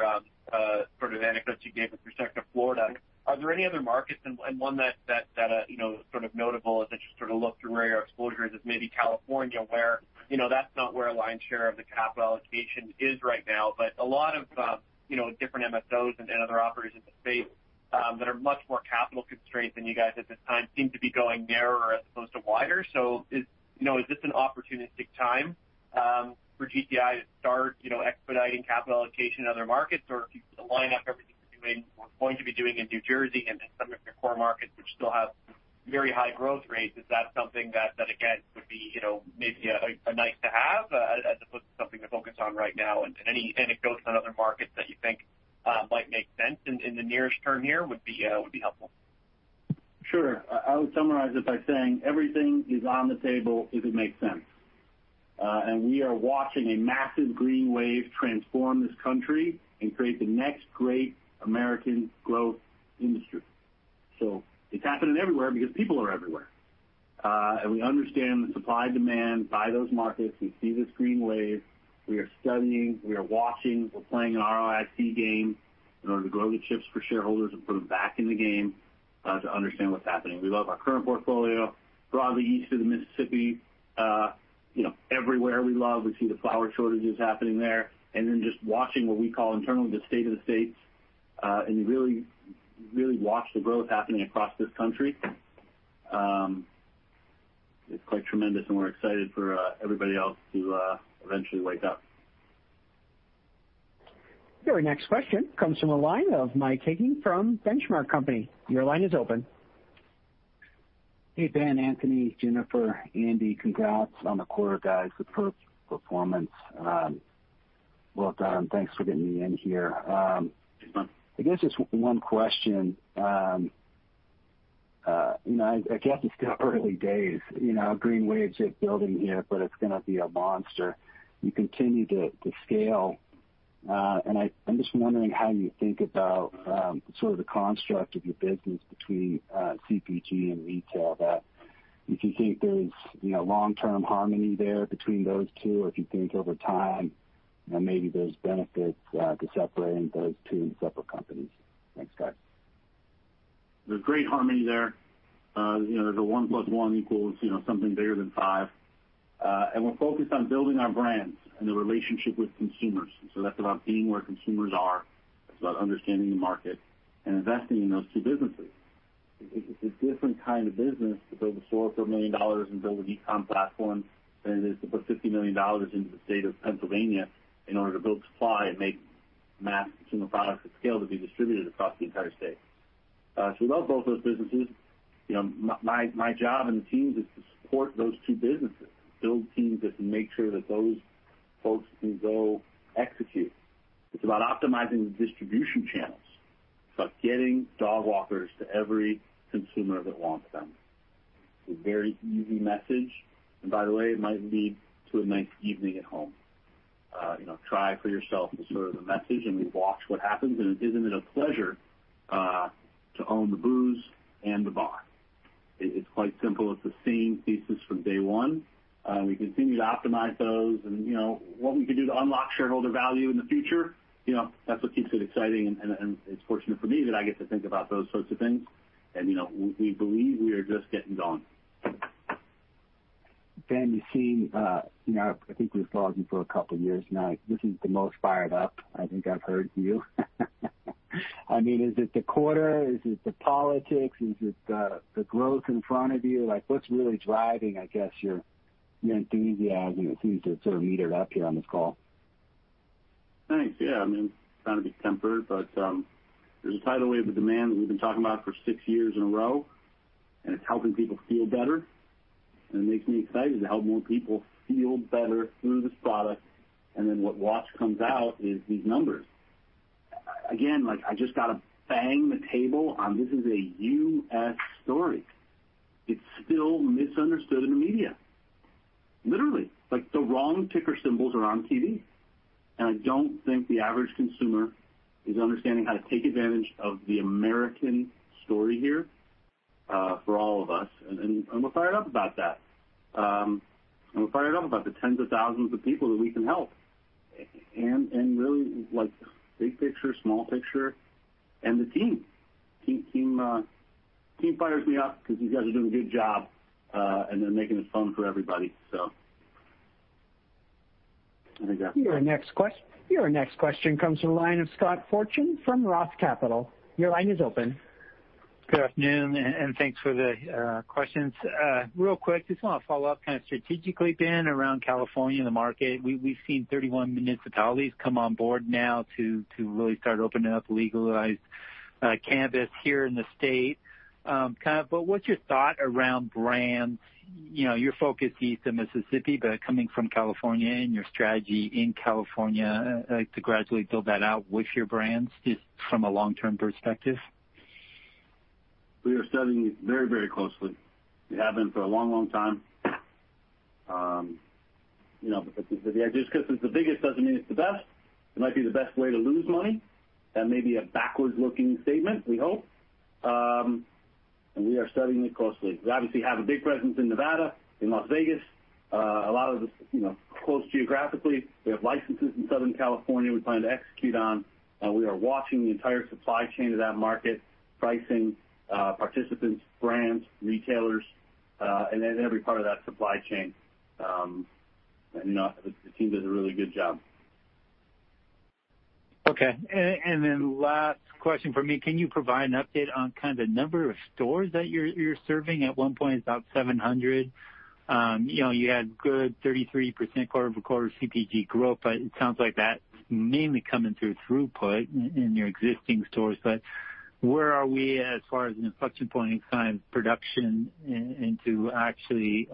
sort of anecdotes you gave with respect to Florida. Are there any other markets and one that is sort of notable as I just sort of look through where your exposure is maybe California, where that's not where a lion's share of the capital allocation is right now, but a lot of different MSOs and other operators in the state that are much more capital constrained than you guys at this time seem to be going narrower as opposed to wider. Is this an opportunistic time for GTI to start expediting capital allocation in other markets? If you line up everything you're doing or going to be doing in New Jersey and then some of your core markets which still have very high growth rates, is that something that again, would be maybe a nice to have as opposed to something to focus on right now? Any anecdotes on other markets that you think. might make sense in the nearest term here would be helpful. Sure. I would summarize it by saying everything is on the table if it makes sense. We are watching a massive green wave transform this country and create the next great American growth industry. It's happening everywhere because people are everywhere. We understand the supply-demand by those markets. We see this green wave. We are studying, we are watching, we're playing an ROIC game in order to grow the chips for shareholders and put them back in the game, to understand what's happening. We love our current portfolio broadly east of the Mississippi. Everywhere we love, we see the flower shortages happening there. Just watching what we call internally the state of the states, you really watch the growth happening across this country. It's quite tremendous, and we're excited for everybody else to eventually wake up. Your next question comes from the line of Mike Hickey from The Benchmark Company. Your line is open. Hey, Ben, Anthony, Jennifer, Andy, congrats on the quarter, guys. Superb performance. Well done. Thanks for getting me in here. Sure. I guess just one question. I guess it's still early days, green wave is building here, but it's going to be a monster. You continue to scale. I'm just wondering how you think about sort of the construct of your business between CPG and retail, that if you think there's long-term harmony there between those two, or if you think over time, maybe there's benefits to separating those two into separate companies. Thanks, guys. There's great harmony there. There's a one plus one equals something bigger than five. We're focused on building our brands and the relationship with consumers. That's about being where consumers are. It's about understanding the market and investing in those two businesses. It's a different kind of business to build a storefront, $1 million and build an e-com platform than it is to put $50 million into the state of Pennsylvania in order to build supply and make mass consumer products at scale to be distributed across the entire state. We love both those businesses. My job and the team's is to support those two businesses, build teams that can make sure that those folks can go execute. It's about optimizing the distribution channels, it's about getting Dogwalkers to every consumer that wants them. It's a very easy message. By the way, it might lead to a nice evening at home. Try for yourself is sort of the message. We watch what happens. Isn't it a pleasure to own the booze and the bong? It's quite simple. It's the same thesis from day one. We continue to optimize those and what we can do to unlock shareholder value in the future, that's what keeps it exciting. It's fortunate for me that I get to think about those sorts of things. We believe we are just getting going. Ben, I think we've talked for a couple of years now. This is the most fired up I think I've heard you. Is it the quarter? Is it the politics? Is it the growth in front of you? What's really driving, I guess, your enthusiasm? It seems to sort of meter up here on this call. Thanks. Yeah, trying to be tempered, but there's a tidal wave of demand that we've been talking about for six years in a row, and it's helping people feel better, and it makes me excited to help more people feel better through this product. Then what watch comes out is these numbers. Again, like I just got to bang the table on this is a U.S. story. It's still misunderstood in the media. Literally. Like the wrong ticker symbols are on TV. I don't think the average consumer is understanding how to take advantage of the American story here, for all of us. We're fired up about that. We're fired up about the tens of thousands of people that we can help. Really like big picture, small picture, and the team. Team fires me up because you guys are doing a good job, and they're making this fun for everybody, so I think that's. Your next question comes from the line of Scott Fortune from Roth Capital Partners. Your line is open. Good afternoon. Thanks for the questions. Real quick, just want to follow-up kind of strategically, Ben, around California and the market. We've seen 31 municipalities come on board now to really start opening up legalized cannabis here in the state. What's your thought around brands? You're focused east of Mississippi, but coming from California and your strategy in California, like to gradually build that out with your brands, just from a long-term perspective. We are studying it very closely. We have been for a long time. Just because it's the biggest doesn't mean it's the best. It might be the best way to lose money. That may be a backward-looking statement, we hope. We are studying it closely. We obviously have a big presence in Nevada, in Las Vegas, a lot of this, close geographically. We have licenses in Southern California we plan to execute on. We are watching the entire supply chain of that market, pricing, participants, brands, retailers, and every part of that supply chain. The team does a really good job. Okay. Then last question from me. Can you provide an update on kind of number of stores that you're serving? At one point it's about 700. You had good 33% quarter-over-quarter CPG growth, but it sounds like that's mainly coming through throughput in your existing stores. Where are we as far as an inflection point in time production into actually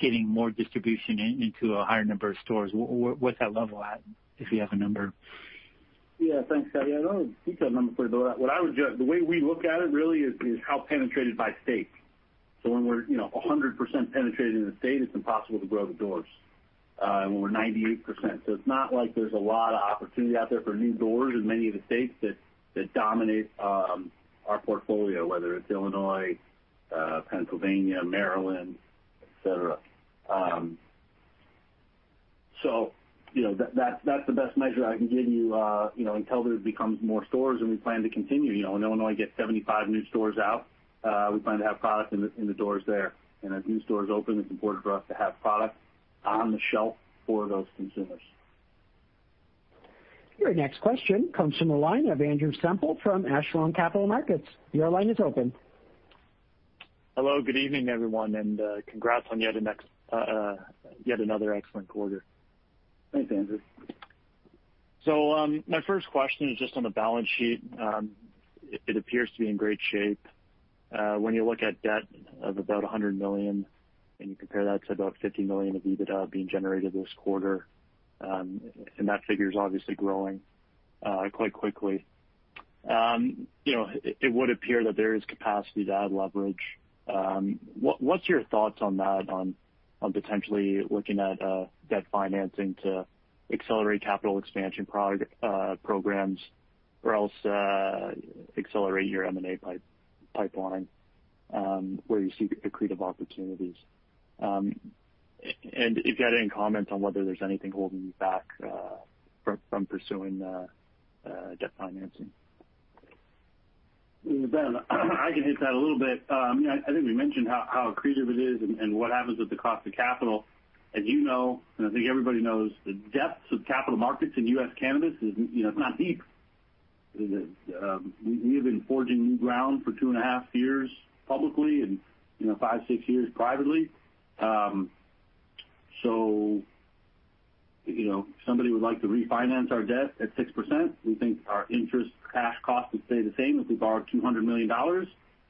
getting more distribution into a higher number of stores? What's that level at, if you have a number? Yeah, thanks, Scott Fortune. I don't have a detailed number for you, but the way we look at it really is how penetrated by state. When we're 100% penetrated in the state, it's impossible to grow the doors. We're 98%, so it's not like there's a lot of opportunity out there for new doors in many of the states that dominate our portfolio, whether it's Illinois, Pennsylvania, Maryland, et cetera. That's the best measure I can give you until there becomes more stores, and we plan to continue. In Illinois, get 75 new stores out. We plan to have product in the doors there. As new stores open, it's important for us to have product on the shelf for those consumers. Your next question comes from the line of Andrew Semple from Echelon Capital Markets. Your line is open. Hello. Good evening, everyone, and congrats on yet another excellent quarter. Thanks, Andrew. My first question is just on the balance sheet. It appears to be in great shape. When you look at debt of about $100 million and you compare that to about $50 million of EBITDA being generated this quarter, and that figure is obviously growing quite quickly. It would appear that there is capacity to add leverage. What's your thoughts on that, on potentially looking at debt financing to accelerate capital expansion programs, or else accelerate your M&A pipeline, where you see accretive opportunities? If you had any comment on whether there's anything holding you back from pursuing debt financing. Ben, I can hit that a little bit. I think we mentioned how accretive it is and what happens with the cost of capital. As you know, and I think everybody knows, the depths of capital markets in U.S. cannabis, it's not deep. We have been forging new ground for two and a half years publicly and five, six years privately. If somebody would like to refinance our debt at 6%, we think our interest cash cost would stay the same if we borrowed $200 million,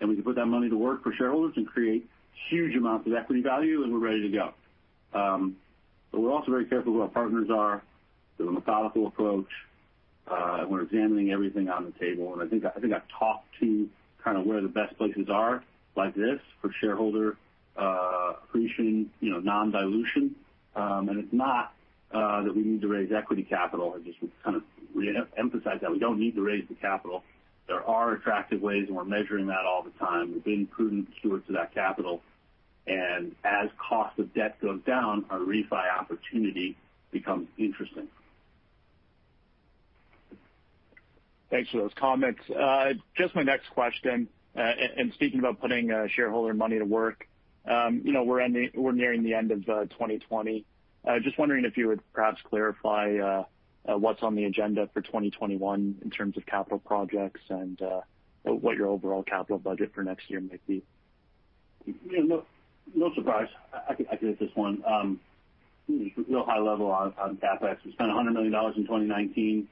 and we can put that money to work for shareholders and create huge amounts of equity value, and we're ready to go. We're also very careful who our partners are. We have a methodical approach. We're examining everything on the table. I think I've talked to where the best places are like this for shareholder appreciation, non-dilution. It's not that we need to raise equity capital. I just kind of reemphasize that we don't need to raise the capital. There are attractive ways. We're measuring that all the time. We're being prudent stewards of that capital. As cost of debt goes down, our refi opportunity becomes interesting. Thanks for those comments. Just my next question, and speaking about putting shareholder money to work. We're nearing the end of 2020. Just wondering if you would perhaps clarify what's on the agenda for 2021 in terms of capital projects and what your overall capital budget for next year might be. No surprise. I can hit this one. Real high level on CapEx, we spent $100 million in 2019.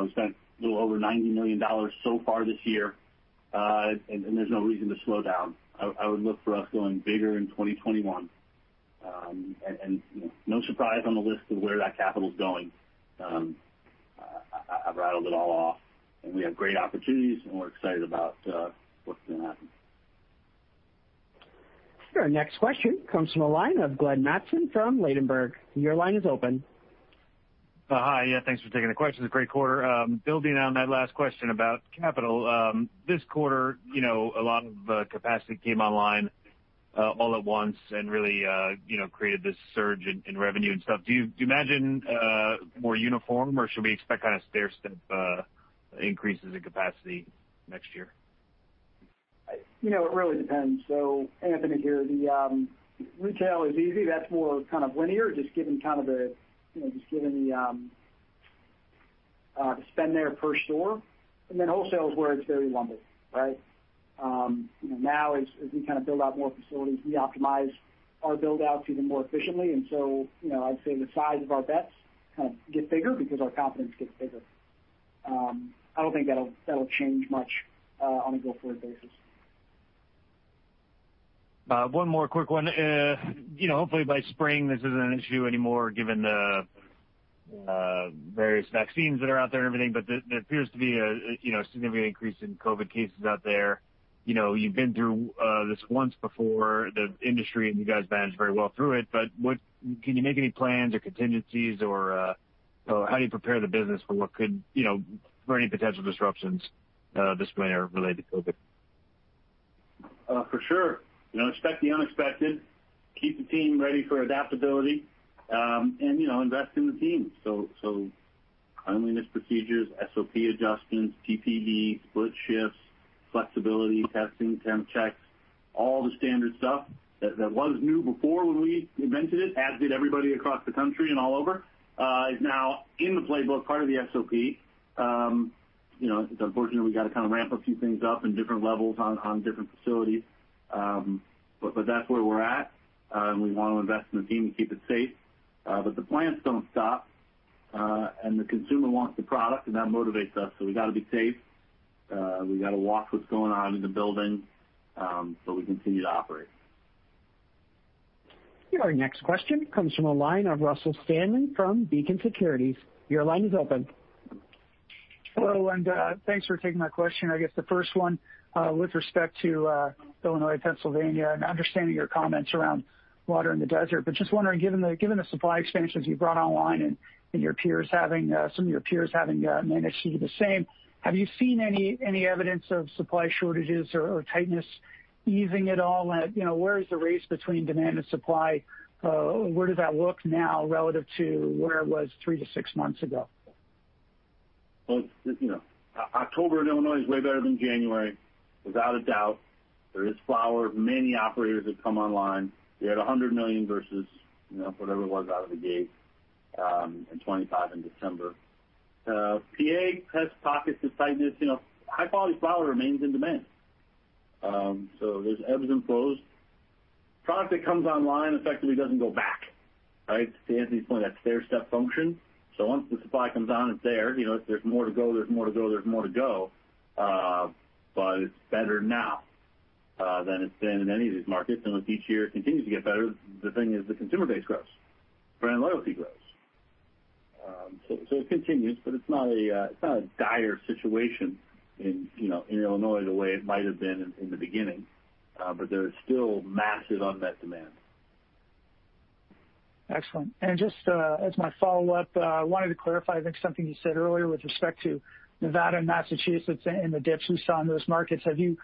We spent a little over $90 million so far this year. There's no reason to slow down. I would look for us going bigger in 2021. No surprise on the list of where that capital's going. I've rattled it all off, and we have great opportunities, and we're excited about what's going to happen. Your next question comes from the line of Glenn Mattson from Ladenburg. Your line is open. Hi. Yeah, thanks for taking the question. Great quarter. Building on that last question about capital. This quarter, a lot of capacity came online all at once and really created this surge in revenue and stuff. Do you imagine more uniform, or should we expect kind of stairstep increases in capacity next year? It really depends. Anthony here. The retail is easy. That's more kind of linear, just given the spend there per store. Wholesale is where it's very lumpy. As we kind of build out more facilities, we optimize our build-outs even more efficiently. I'd say the size of our bets kind of get bigger because our confidence gets bigger. I don't think that'll change much on a go-forward basis. One more quick one. Hopefully by spring this isn't an issue anymore given the various vaccines that are out there and everything, but there appears to be a significant increase in COVID cases out there. You've been through this once before, the industry, and you guys managed very well through it. Can you make any plans or contingencies, or how do you prepare the business for any potential disruptions this spring related to COVID? For sure. Expect the unexpected, keep the team ready for adaptability, and invest in the team. Cleanliness procedures, SOP adjustments, PPE, split shifts, flexibility, testing, temp checks, all the standard stuff that was new before when we invented it, as did everybody across the country and all over, is now in the playbook, part of the SOP. It's unfortunate we got to kind of ramp a few things up in different levels on different facilities. That's where we're at. We want to invest in the team and keep it safe. The plants don't stop. The consumer wants the product, and that motivates us. We got to be safe. We got to watch what's going on in the building, but we continue to operate. Your next question comes from the line of Russell Stanley from Beacon Securities. Your line is open. Hello, and thanks for taking my question. I guess the first one, with respect to Illinois, Pennsylvania, and understanding your comments around water in the desert. Just wondering, given the supply expansions you brought online and some of your peers having managed to do the same, have you seen any evidence of supply shortages or tightness easing at all? Where is the race between demand and supply? Where does that look now relative to where it was three-six months ago? October in Illinois is way better than January, without a doubt. There is flower. Many operators have come online. We had $100 million versus whatever it was out of the gate, and $25 in December. PA has pockets of tightness. High-quality flower remains in demand. There's ebbs and flows. Product that comes online effectively doesn't go back, right? To Anthony's point, that stair-step function. Once the supply comes on, it's there. If there's more to go, there's more to go, there's more to go. It's better now than it's been in any of these markets. With each year, it continues to get better. The thing is, the consumer base grows. Brand loyalty grows. It continues, but it's not a dire situation in Illinois the way it might've been in the beginning. There is still massive unmet demand. Excellent. Just as my follow-up, I wanted to clarify, I think, something you said earlier with respect to Nevada and Massachusetts and the dips we saw in those markets. Have you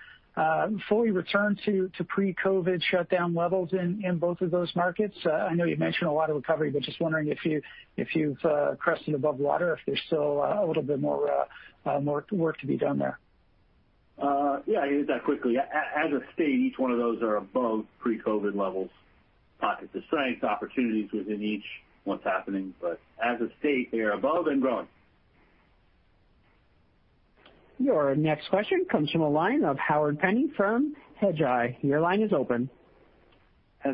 fully returned to pre-COVID shutdown levels in both of those markets? I know you mentioned a lot of recovery, but just wondering if you've crested above water, if there's still a little bit more work to be done there. Yeah. I knew that quickly. As a state, each one of those are above pre-COVID levels. Pockets of strength, opportunities within each, what's happening. As a state, they are above and growing. Your next question comes from the line of Howard Penney from Hedgeye. Your line is open.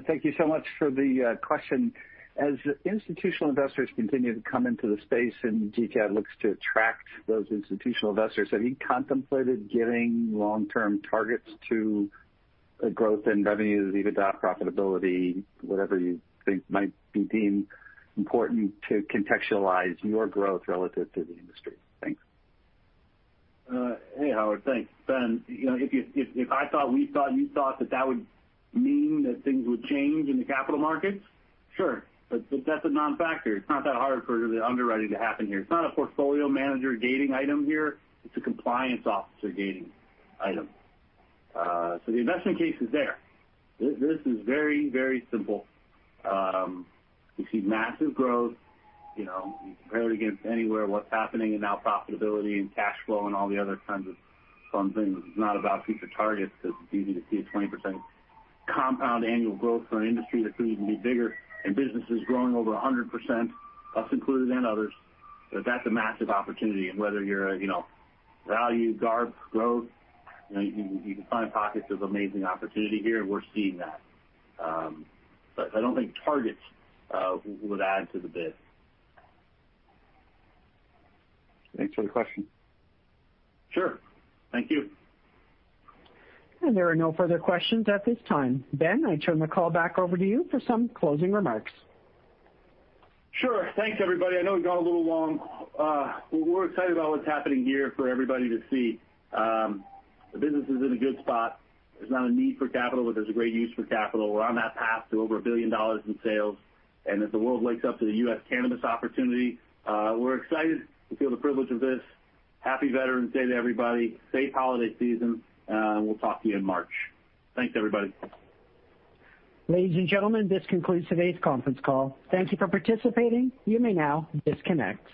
Thank you so much for the question. As institutional investors continue to come into the space and GTI looks to attract those institutional investors, have you contemplated giving long-term targets to growth in revenues, EBITDA, profitability, whatever you think might be deemed important to contextualize your growth relative to the industry? Thanks. Hey, Howard. Thanks. Ben, if I thought we thought you thought that that would mean that things would change in the capital markets, sure. That's a non-factor. It's not that hard for the underwriting to happen here. It's not a portfolio manager gating item here. It's a compliance officer gating item. The investment case is there. This is very, very simple. You see massive growth. You compare it against anywhere what's happening and now profitability and cash flow and all the other kinds of fun things. This is not about future targets because it's easy to see a 20% compound annual growth for an industry that could even be bigger and businesses growing over 100%, us included and others. That's a massive opportunity, and whether you're a value, GARP, growth, you can find pockets of amazing opportunity here, and we're seeing that. I don't think targets would add to the bid. Thanks for the question. Sure. Thank you. There are no further questions at this time. Ben, I turn the call back over to you for some closing remarks. Sure. Thanks, everybody. I know it got a little long. We're excited about what's happening here for everybody to see. The business is in a good spot. There's not a need for capital, but there's a great use for capital. We're on that path to over $1 billion in sales. As the world wakes up to the U.S. cannabis opportunity, we're excited to feel the privilege of this. Happy Veterans Day to everybody. Safe holiday season, and we'll talk to you in March. Thanks, everybody. Ladies and gentlemen, this concludes today's conference call. Thank you for participating. You may now disconnect.